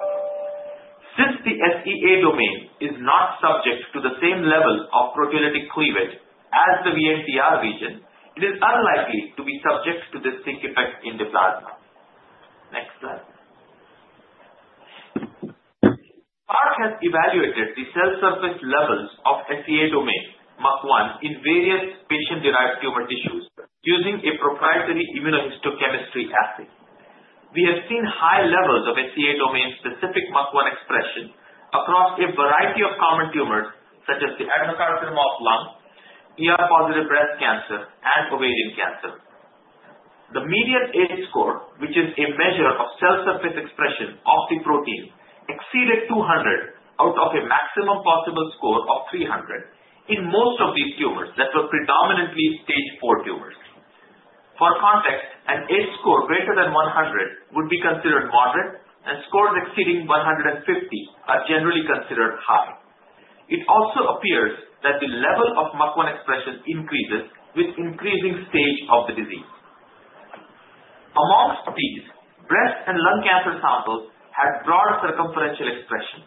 Since the SEA domain is not subject to the same level of proteolytic cleavage as the VNTR region, it is unlikely to be subject to the sink effect in the plasma. Next slide. SPARC has evaluated the cell surface levels of SEA domain MUC1 in various patient-derived tumor tissues using a proprietary immunohistochemistry assay. We have seen high levels of SEA domain-specific MUC1 expression across a variety of common tumors, such as the adenocarcinoma of the lung, ER-positive breast cancer, and ovarian cancer. The median H-score, which is a measure of cell surface expression of the protein, exceeded 200 out of a maximum possible score of 300 in most of these tumors that were predominantly stage IV tumors. For context, an H-score greater than 100 would be considered moderate, and scores exceeding 150 are generally considered high. It also appears that the level of MUC1 expression increases with increasing stage of the disease. Among these, breast and lung cancer samples had broad circumferential expression.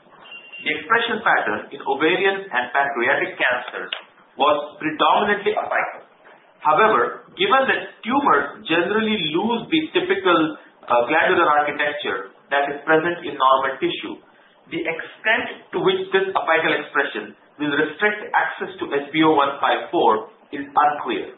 The expression pattern in ovarian and pancreatic cancers was predominantly apical. However, given that tumors generally lose the typical glandular architecture that is present in normal tissue, the extent to which this apical expression will restrict access to SBO-154 is unclear.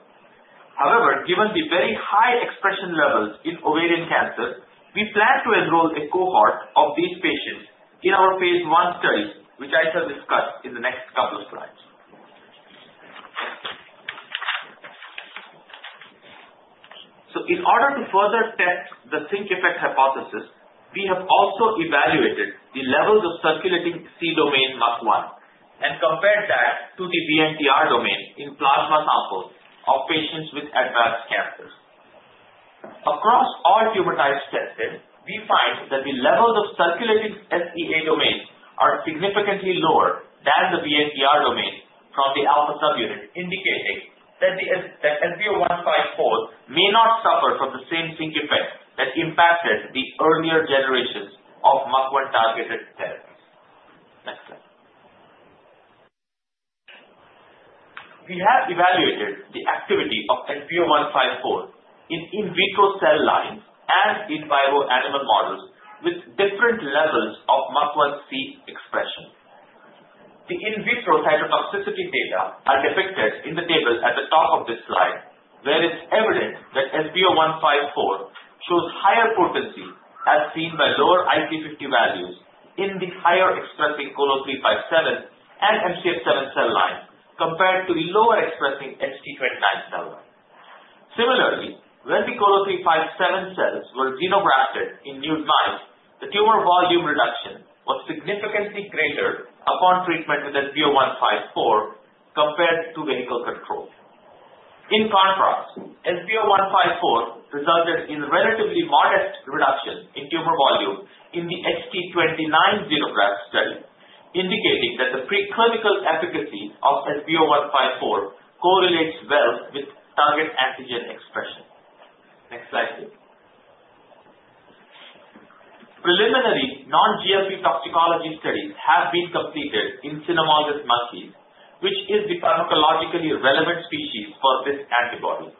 However, given the very high expression levels in ovarian cancer, we plan to enroll a cohort of these patients in our phase one study, which I shall discuss in the next couple of slides. So, in order to further test the sink effect hypothesis, we have also evaluated the levels of circulating sea domain MUC1 and compared that to the VNTR domain in plasma samples of patients with advanced cancers. Across all tumor types tested, we find that the levels of circulating SEA domain are significantly lower than the VNTR domain from the alpha subunit, indicating that SBO-154 may not suffer from the same sink effect that impacted the earlier generations of MUC1-targeted therapies. Next slide. We have evaluated the activity of SBO-154 in in vitro cell lines and in vivo animal models with different levels of MUC1C expression. The in vitro cytotoxicity data are depicted in the tables at the top of this slide, where it's evident that SBO-154 shows higher potency as seen by lower IC50 values in the higher-expressing COLO357 and MCF7 cell line compared to the lower-expressing HT-29 cell line. Similarly, when the COLO357 cells were xenografted in nude mice, the tumor volume reduction was significantly greater upon treatment with SBO-154 compared to vehicle control. In contrast, SBO-154 resulted in relatively modest reduction in tumor volume in the H-T29 xenograft study, indicating that the pre-clinical efficacy of SBO-154 correlates well with target antigen expression. Next slide, please. Preliminary non-GLP toxicology studies have been completed in Cynomolgus monkeys, which is the pharmacologically relevant species for this antibody.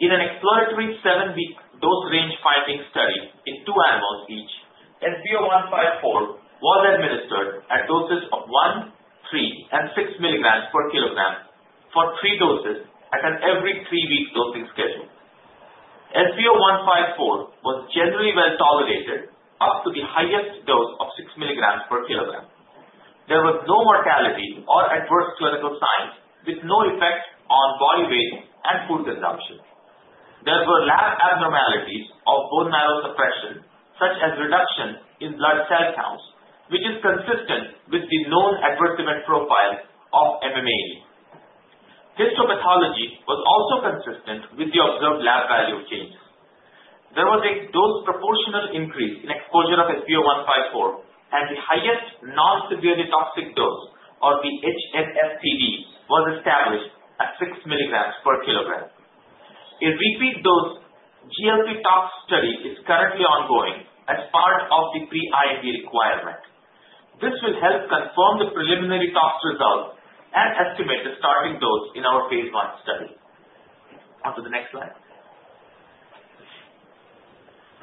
In an exploratory seven-week dose range finding study in two animals each, SBO-154 was administered at doses of one, three, and six milligrams per kilogram for three doses at an every three-week dosing schedule. SBO-154 was generally well tolerated up to the highest dose of six milligrams per kilogram. There was no mortality or adverse clinical signs, with no effect on body weight and food consumption. There were lab abnormalities of bone marrow suppression, such as reduction in blood cell counts, which is consistent with the known adverse event profile of MMAE. Histopathology was also consistent with the observed lab value changes. There was a dose-proportional increase in exposure of SBO-154, and the highest non-severely toxic dose, or the HNSTD, was established at six milligrams per kilogram. A repeat dose GLP tox study is currently ongoing as part of the pre-IND requirement. This will help confirm the preliminary tox results and estimate the starting dose in our phase one study. Onto the next slide.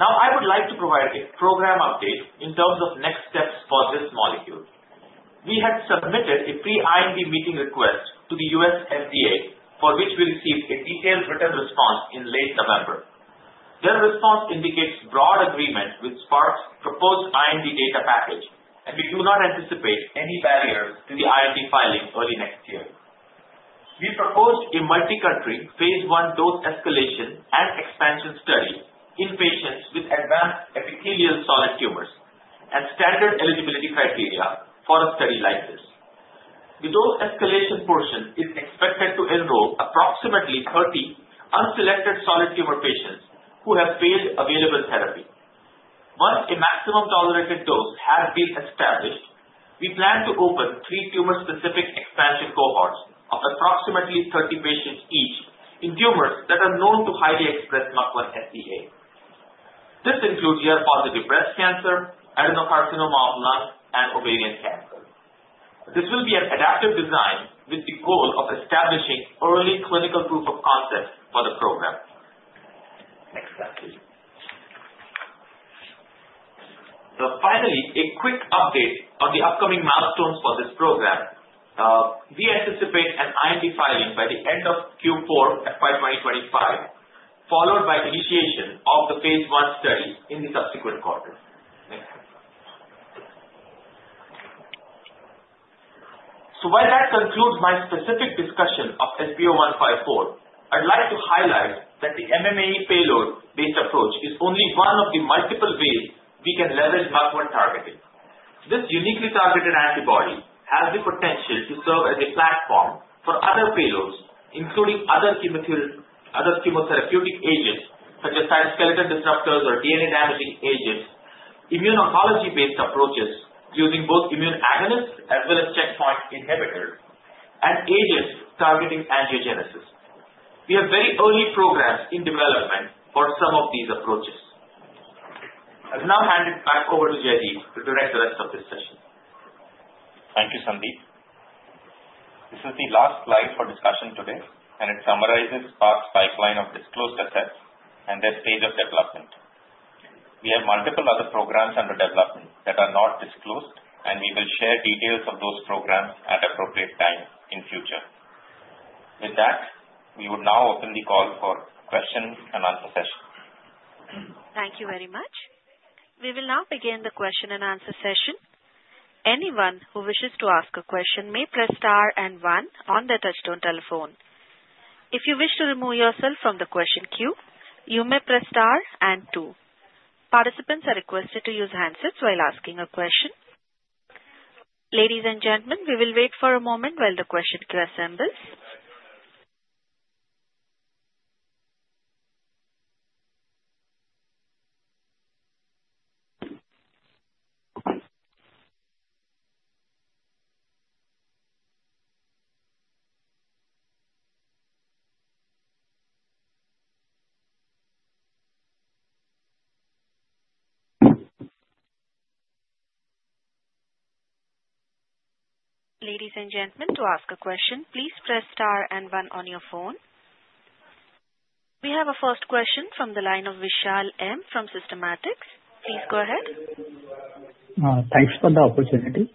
Now, I would like to provide a program update in terms of next steps for this molecule. We had submitted a pre-IND meeting request to the U.S. FDA, for which we received a detailed written response in late November. Their response indicates broad agreement with SPARC's proposed IND data package, and we do not anticipate any barriers to the IND filing early next year. We proposed a multi-country phase one dose escalation and expansion study in patients with advanced epithelial solid tumors and standard eligibility criteria for a study like this. The dose escalation portion is expected to enroll approximately 30 unselected solid tumor patients who have failed available therapy. Once a maximum tolerated dose has been established, we plan to open three tumor-specific expansion cohorts of approximately 30 patients each in tumors that are known to highly express MUC1 SEA. This includes ER-positive breast cancer, adenocarcinoma of the lung, and ovarian cancer. This will be an adaptive design with the goal of establishing early clinical proof of concept for the program. Next slide, please. Finally, a quick update on the upcoming milestones for this program. We anticipate an IND filing by the end of Q4 FY 2025, followed by initiation of the phase one study in the subsequent quarter. Next slide. So, while that concludes my specific discussion of SBO-154, I'd like to highlight that the MMAE payload-based approach is only one of the multiple ways we can leverage MUC1 targeting. This uniquely targeted antibody has the potential to serve as a platform for other payloads, including other chemotherapeutic agents, such as cytoskeletal disruptors or DNA-damaging agents, immunotherapy-based approaches using both immune agonists as well as checkpoint inhibitors, and agents targeting angiogenesis. We have very early programs in development for some of these approaches. I've now handed back over to Jaydeep to direct the rest of this session. Thank you, Sandeep. This is the last slide for discussion today, and it summarizes SPARC's pipeline of disclosed assets and their stage of development. We have multiple other programs under development that are not disclosed, and we will share details of those programs at appropriate time in future. With that, we would now open the call for question and answer session. Thank you very much. We will now begin the question and answer session. Anyone who wishes to ask a question may press star and one on their touch-tone telephone. If you wish to remove yourself from the question queue, you may press star and two. Participants are requested to use handsets while asking a question. Ladies and gentlemen, we will wait for a moment while the question queue assembles. Ladies and gentlemen, to ask a question, please press star and one on your phone. We have a first question from the line of Vishal M. from Systematix. Please go ahead. Thanks for the opportunity.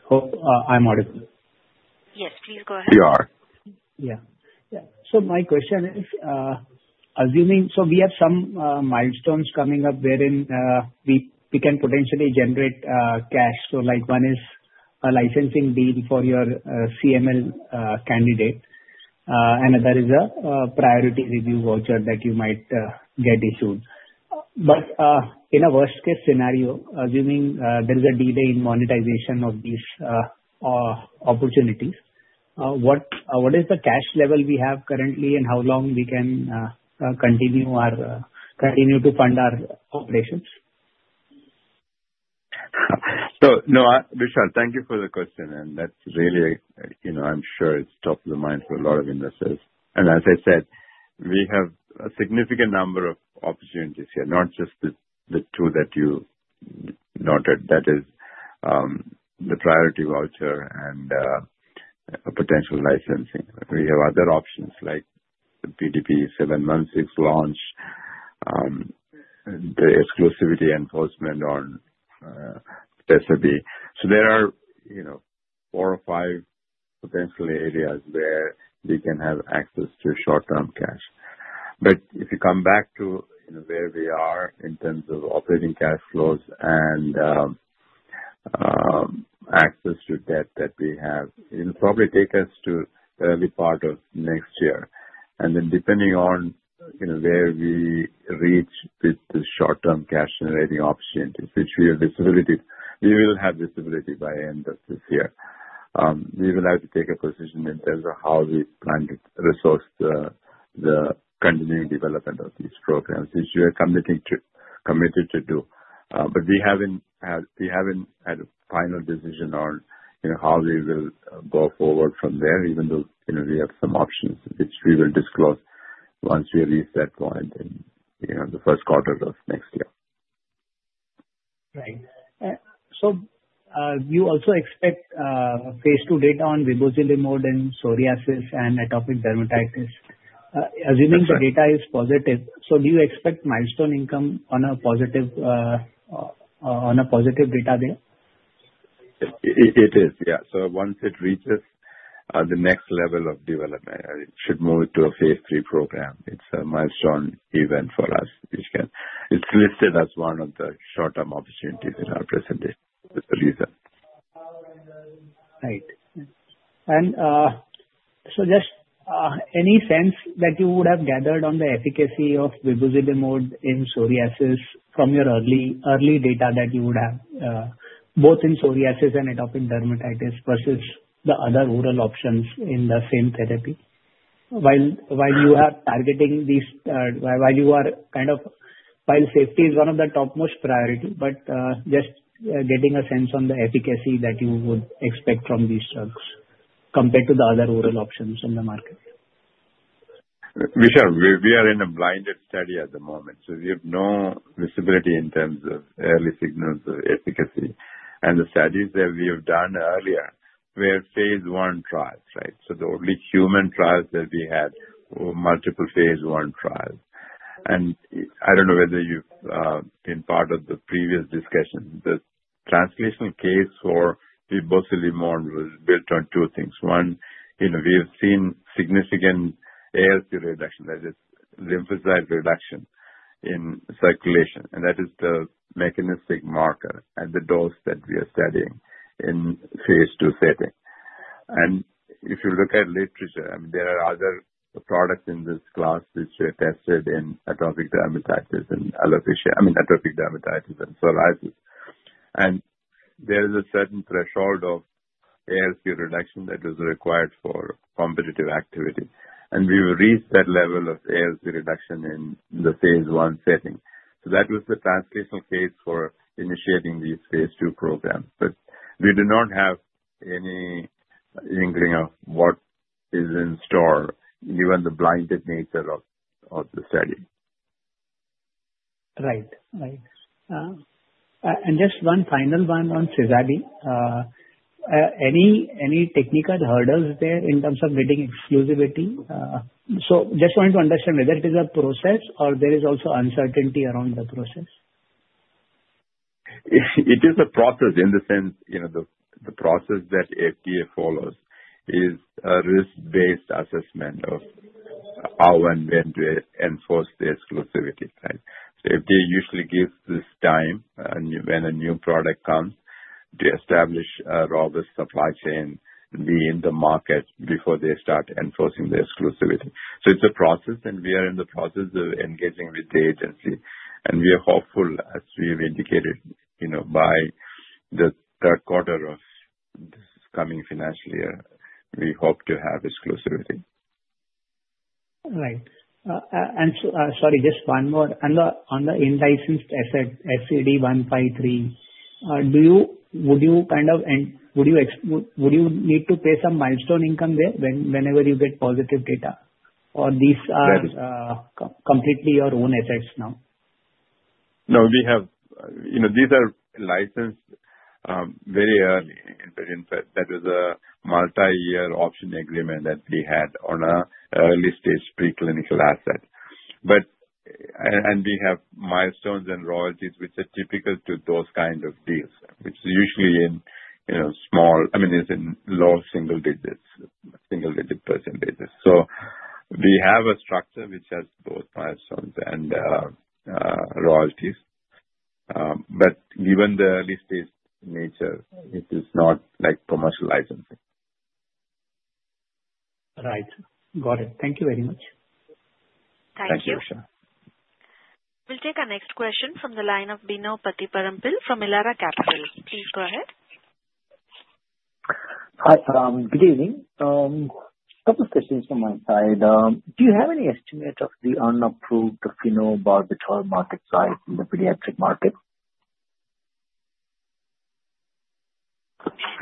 I'm audible. Yes, please go ahead. We are. Yeah. Yeah. So, my question is, assuming we have some milestones coming up wherein we can potentially generate cash. So, one is a licensing deal for your CML candidate, and there is a priority review voucher that you might get issued. But in a worst-case scenario, assuming there is a delay in monetization of these opportunities, what is the cash level we have currently, and how long we can continue to fund our operations? So, no, Vishal, thank you for the question, and that's really. I'm sure it's top of the mind for a lot of investors. And as I said, we have a significant number of opportunities here, not just the two that you noted, that is the priority voucher and potential licensing. We have other options like the PDP-716 launch, the exclusivity enforcement on Sezaby. So, there are four or five potential areas where we can have access to short-term cash. But if you come back to where we are in terms of operating cash flows and access to debt that we have, it will probably take us to the early part of next year. And then, depending on where we reach with the short-term cash generating opportunities, which we will have visibility by the end of this year, we will have to take a position in terms of how we plan to resource the continuing development of these programs, which we are committed to do. But we haven't had a final decision on how we will go forward from there, even though we have some options, which we will disclose once we reach that point in the first quarter of next year. Right. So, you also expect phase two data on revolutimod and psoriasis and atopic dermatitis. Assuming the data is positive, so do you expect milestone income on a positive data there? It is, yeah. So, once it reaches the next level of development, it should move to a phase three program. It is a milestone event for us. It's listed as one of the short-term opportunities in our presentation. That's the reason. Right. And so, just any sense that you would have gathered on the efficacy of Revolt Elimon in psoriasis from your early data that you would have, both in psoriasis and atopic dermatitis versus the other oral options in the same therapy? While you are targeting these, while you are kind of, while safety is one of the topmost priority, but just getting a sense on the efficacy that you would expect from these drugs compared to the other oral options in the market. Vishal, we are in a blinded study at the moment. So, we have no visibility in terms of early signals of efficacy. And the studies that we have done earlier were phase one trials, right? So, the only human trials that we had were multiple phase one trials. I don't know whether you've been part of the previous discussion. The translational case for S1P modulator was built on two things. One, we have seen significant ALC reduction, that is, lymphocyte reduction in circulation. That is the mechanistic marker at the dose that we are studying in phase 2 setting. If you look at literature, there are other products in this class which were tested in atopic dermatitis and alopecia, I mean, atopic dermatitis and psoriasis. There is a certain threshold of ALC reduction that was required for competitive activity. We reached that level of ALC reduction in the phase 1 setting. That was the translational case for initiating these phase 2 programs. We do not have any inkling of what is in store, given the blinded nature of the study. Right. Right. Just one final one on Sezaby. Any technical hurdles there in terms of getting exclusivity? I just wanted to understand whether it is a process or there is also uncertainty around the process. It is a process in the sense the process that FDA follows is a risk-based assessment of how and when to enforce the exclusivity, right? FDA usually gives this time when a new product comes to establish a robust supply chain to be in the market before they start enforcing the exclusivity. It is a process, and we are in the process of engaging with the agency. We are hopeful, as we have indicated, by the third quarter of this coming financial year, we hope to have exclusivity. Right. Sorry, just one more. On the in-licensed asset, SCD-153, would you kind of, would you need to pay some milestone income there whenever you get positive data? Or these are completely your own assets now? No, we have these are licensed very early. That was a multi-year option agreement that we had on an early-stage preclinical asset. And we have milestones and royalties, which are typical to those kinds of deals, which is usually in small, I mean, it's in low single-digit %. So, we have a structure which has both milestones and royalties. But given the early-stage nature, it is not like commercial licensing. Right. Got it. Thank you very much. Thank you, Vishal. Thank you, Vishal. We'll take our next question from the line of Bino Pathiparampil from Elara Capital. Please go ahead. Hi. Good evening. A couple of questions from my side. Do you have any estimate of the unapproved phenobarbital market size in the pediatric market?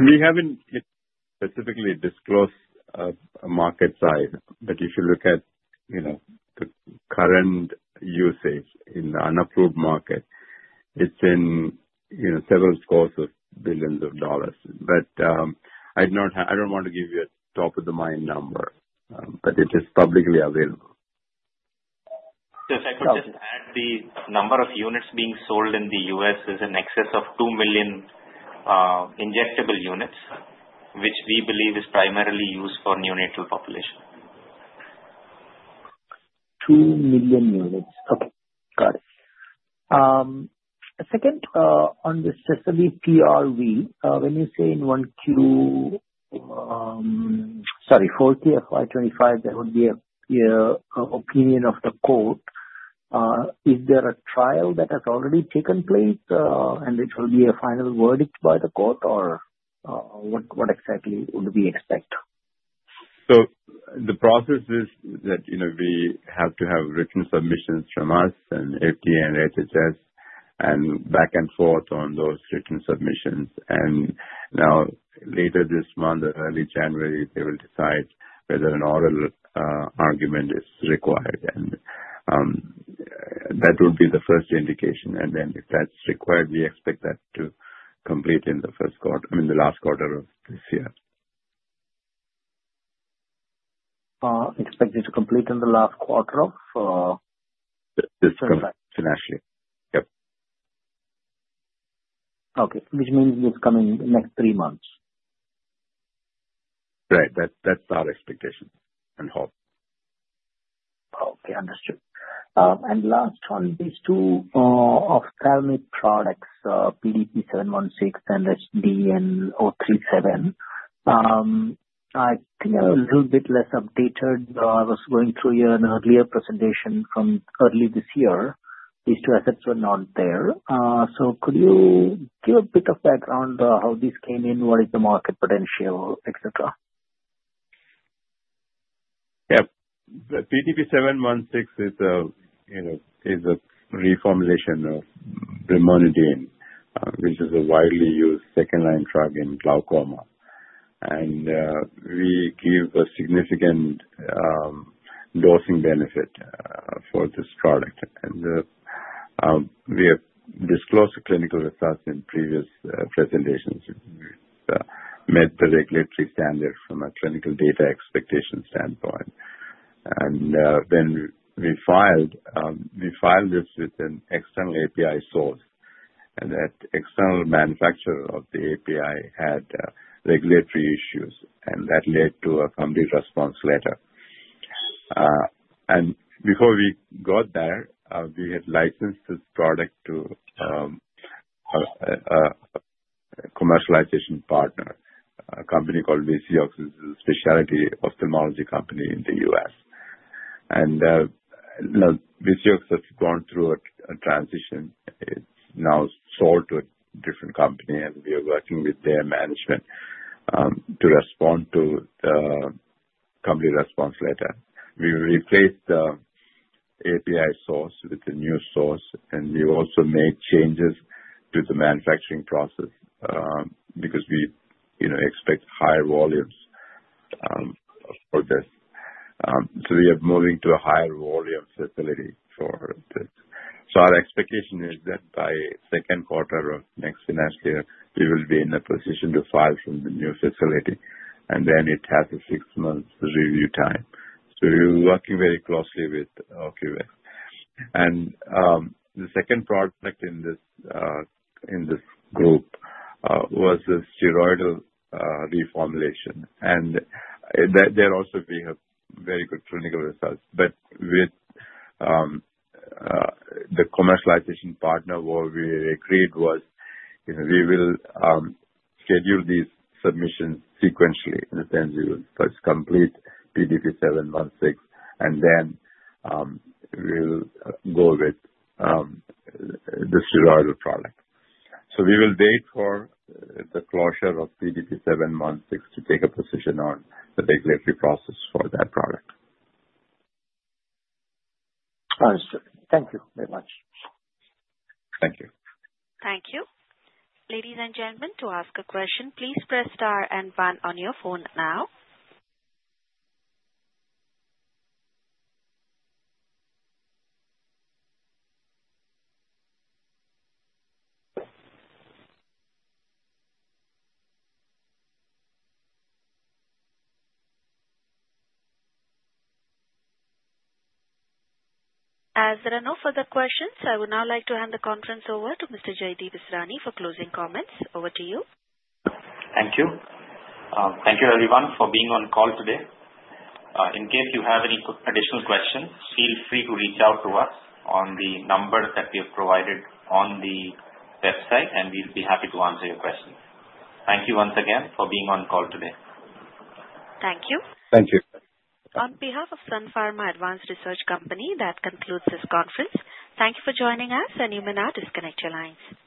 We haven't specifically disclosed a market size. But if you look at the current usage in the unapproved market, it's in several scores of billions of dollars. But I don't want to give you a top-of-the-mind number, but it is publicly available. The second is that the number of units being sold in the U.S. is in excess of two million injectable units, which we believe is primarily used for neonatal population. Two million units. Okay. Got it. Second, on the Sezaby PRV, when you say in 1Q, sorry, 4Q FY25, that would be an opinion of the court, is there a trial that has already taken place, and it will be a final verdict by the court, or what exactly would we expect? So, the process is that we have to have written submissions from us and FDA and HHS and back and forth on those written submissions. And now, later this month, early January, they will decide whether an oral argument is required. And that would be the first indication. And then if that's required, we expect that to complete in the first quarter, I mean, the last quarter of this year. Expected to complete in the last quarter of this financial year? Yep. Okay. Which means this coming next three months. Right. That's our expectation and hope. Okay. Understood. And last on these two ophthalmic products, PDP-716 and SDN-037, I think I'm a little bit less updated. I was going through an earlier presentation from early this year. These two assets were not there. So, could you give a bit of background on how these came in, what is the market potential, etc.? Yep. PDP-716 is a reformulation of brimonidine, which is a widely used second-line drug in glaucoma. And we give a significant dosing benefit for this product. And we have disclosed the clinical results in previous presentations. We met the regulatory standard from a clinical data expectation standpoint. And when we filed, we filed this with an external API source. And that external manufacturer of the API had regulatory issues, and that led to a complete response letter. And before we got there, we had licensed this product to a commercialization partner, a company called VisiOx, which is a specialty ophthalmology company in the U.S. And VisiOx has gone through a transition. It's now sold to a different company, and we are working with their management to respond to the complete response letter. We replaced the API source with a new source, and we also made changes to the manufacturing process because we expect higher volumes for this. So, we are moving to a higher volume facility for this. So, our expectation is that by second quarter of next financial year, we will be in a position to file from the new facility, and then it has a six-month review time. So, we're working very closely with ORQX. And the second product in this group was the steroidal reformulation. And there also we have very good clinical results. But with the commercialization partner, what we agreed was we will schedule these submissions sequentially in the sense we will first complete PDP-716, and then we'll go with the steroidal product. So, we will wait for the closure of PDP-716 to take a position on the regulatory process for that product. Understood. Thank you very much. Thank you. Thank you. Ladies and gentlemen, to ask a question, please press star and one on your phone now. As there are no further questions, I would now like to hand the conference over to Mr. Jaydeep Israni for closing comments. Over to you. Thank you. Thank you, everyone, for being on call today. In case you have any additional questions, feel free to reach out to us on the number that we have provided on the website, and we'll be happy to answer your questions. Thank you once again for being on call today. Thank you. Thank you. On behalf of Sun Pharma Advanced Research Company, that concludes this conference. Thank you for joining us, and you may now disconnect your lines.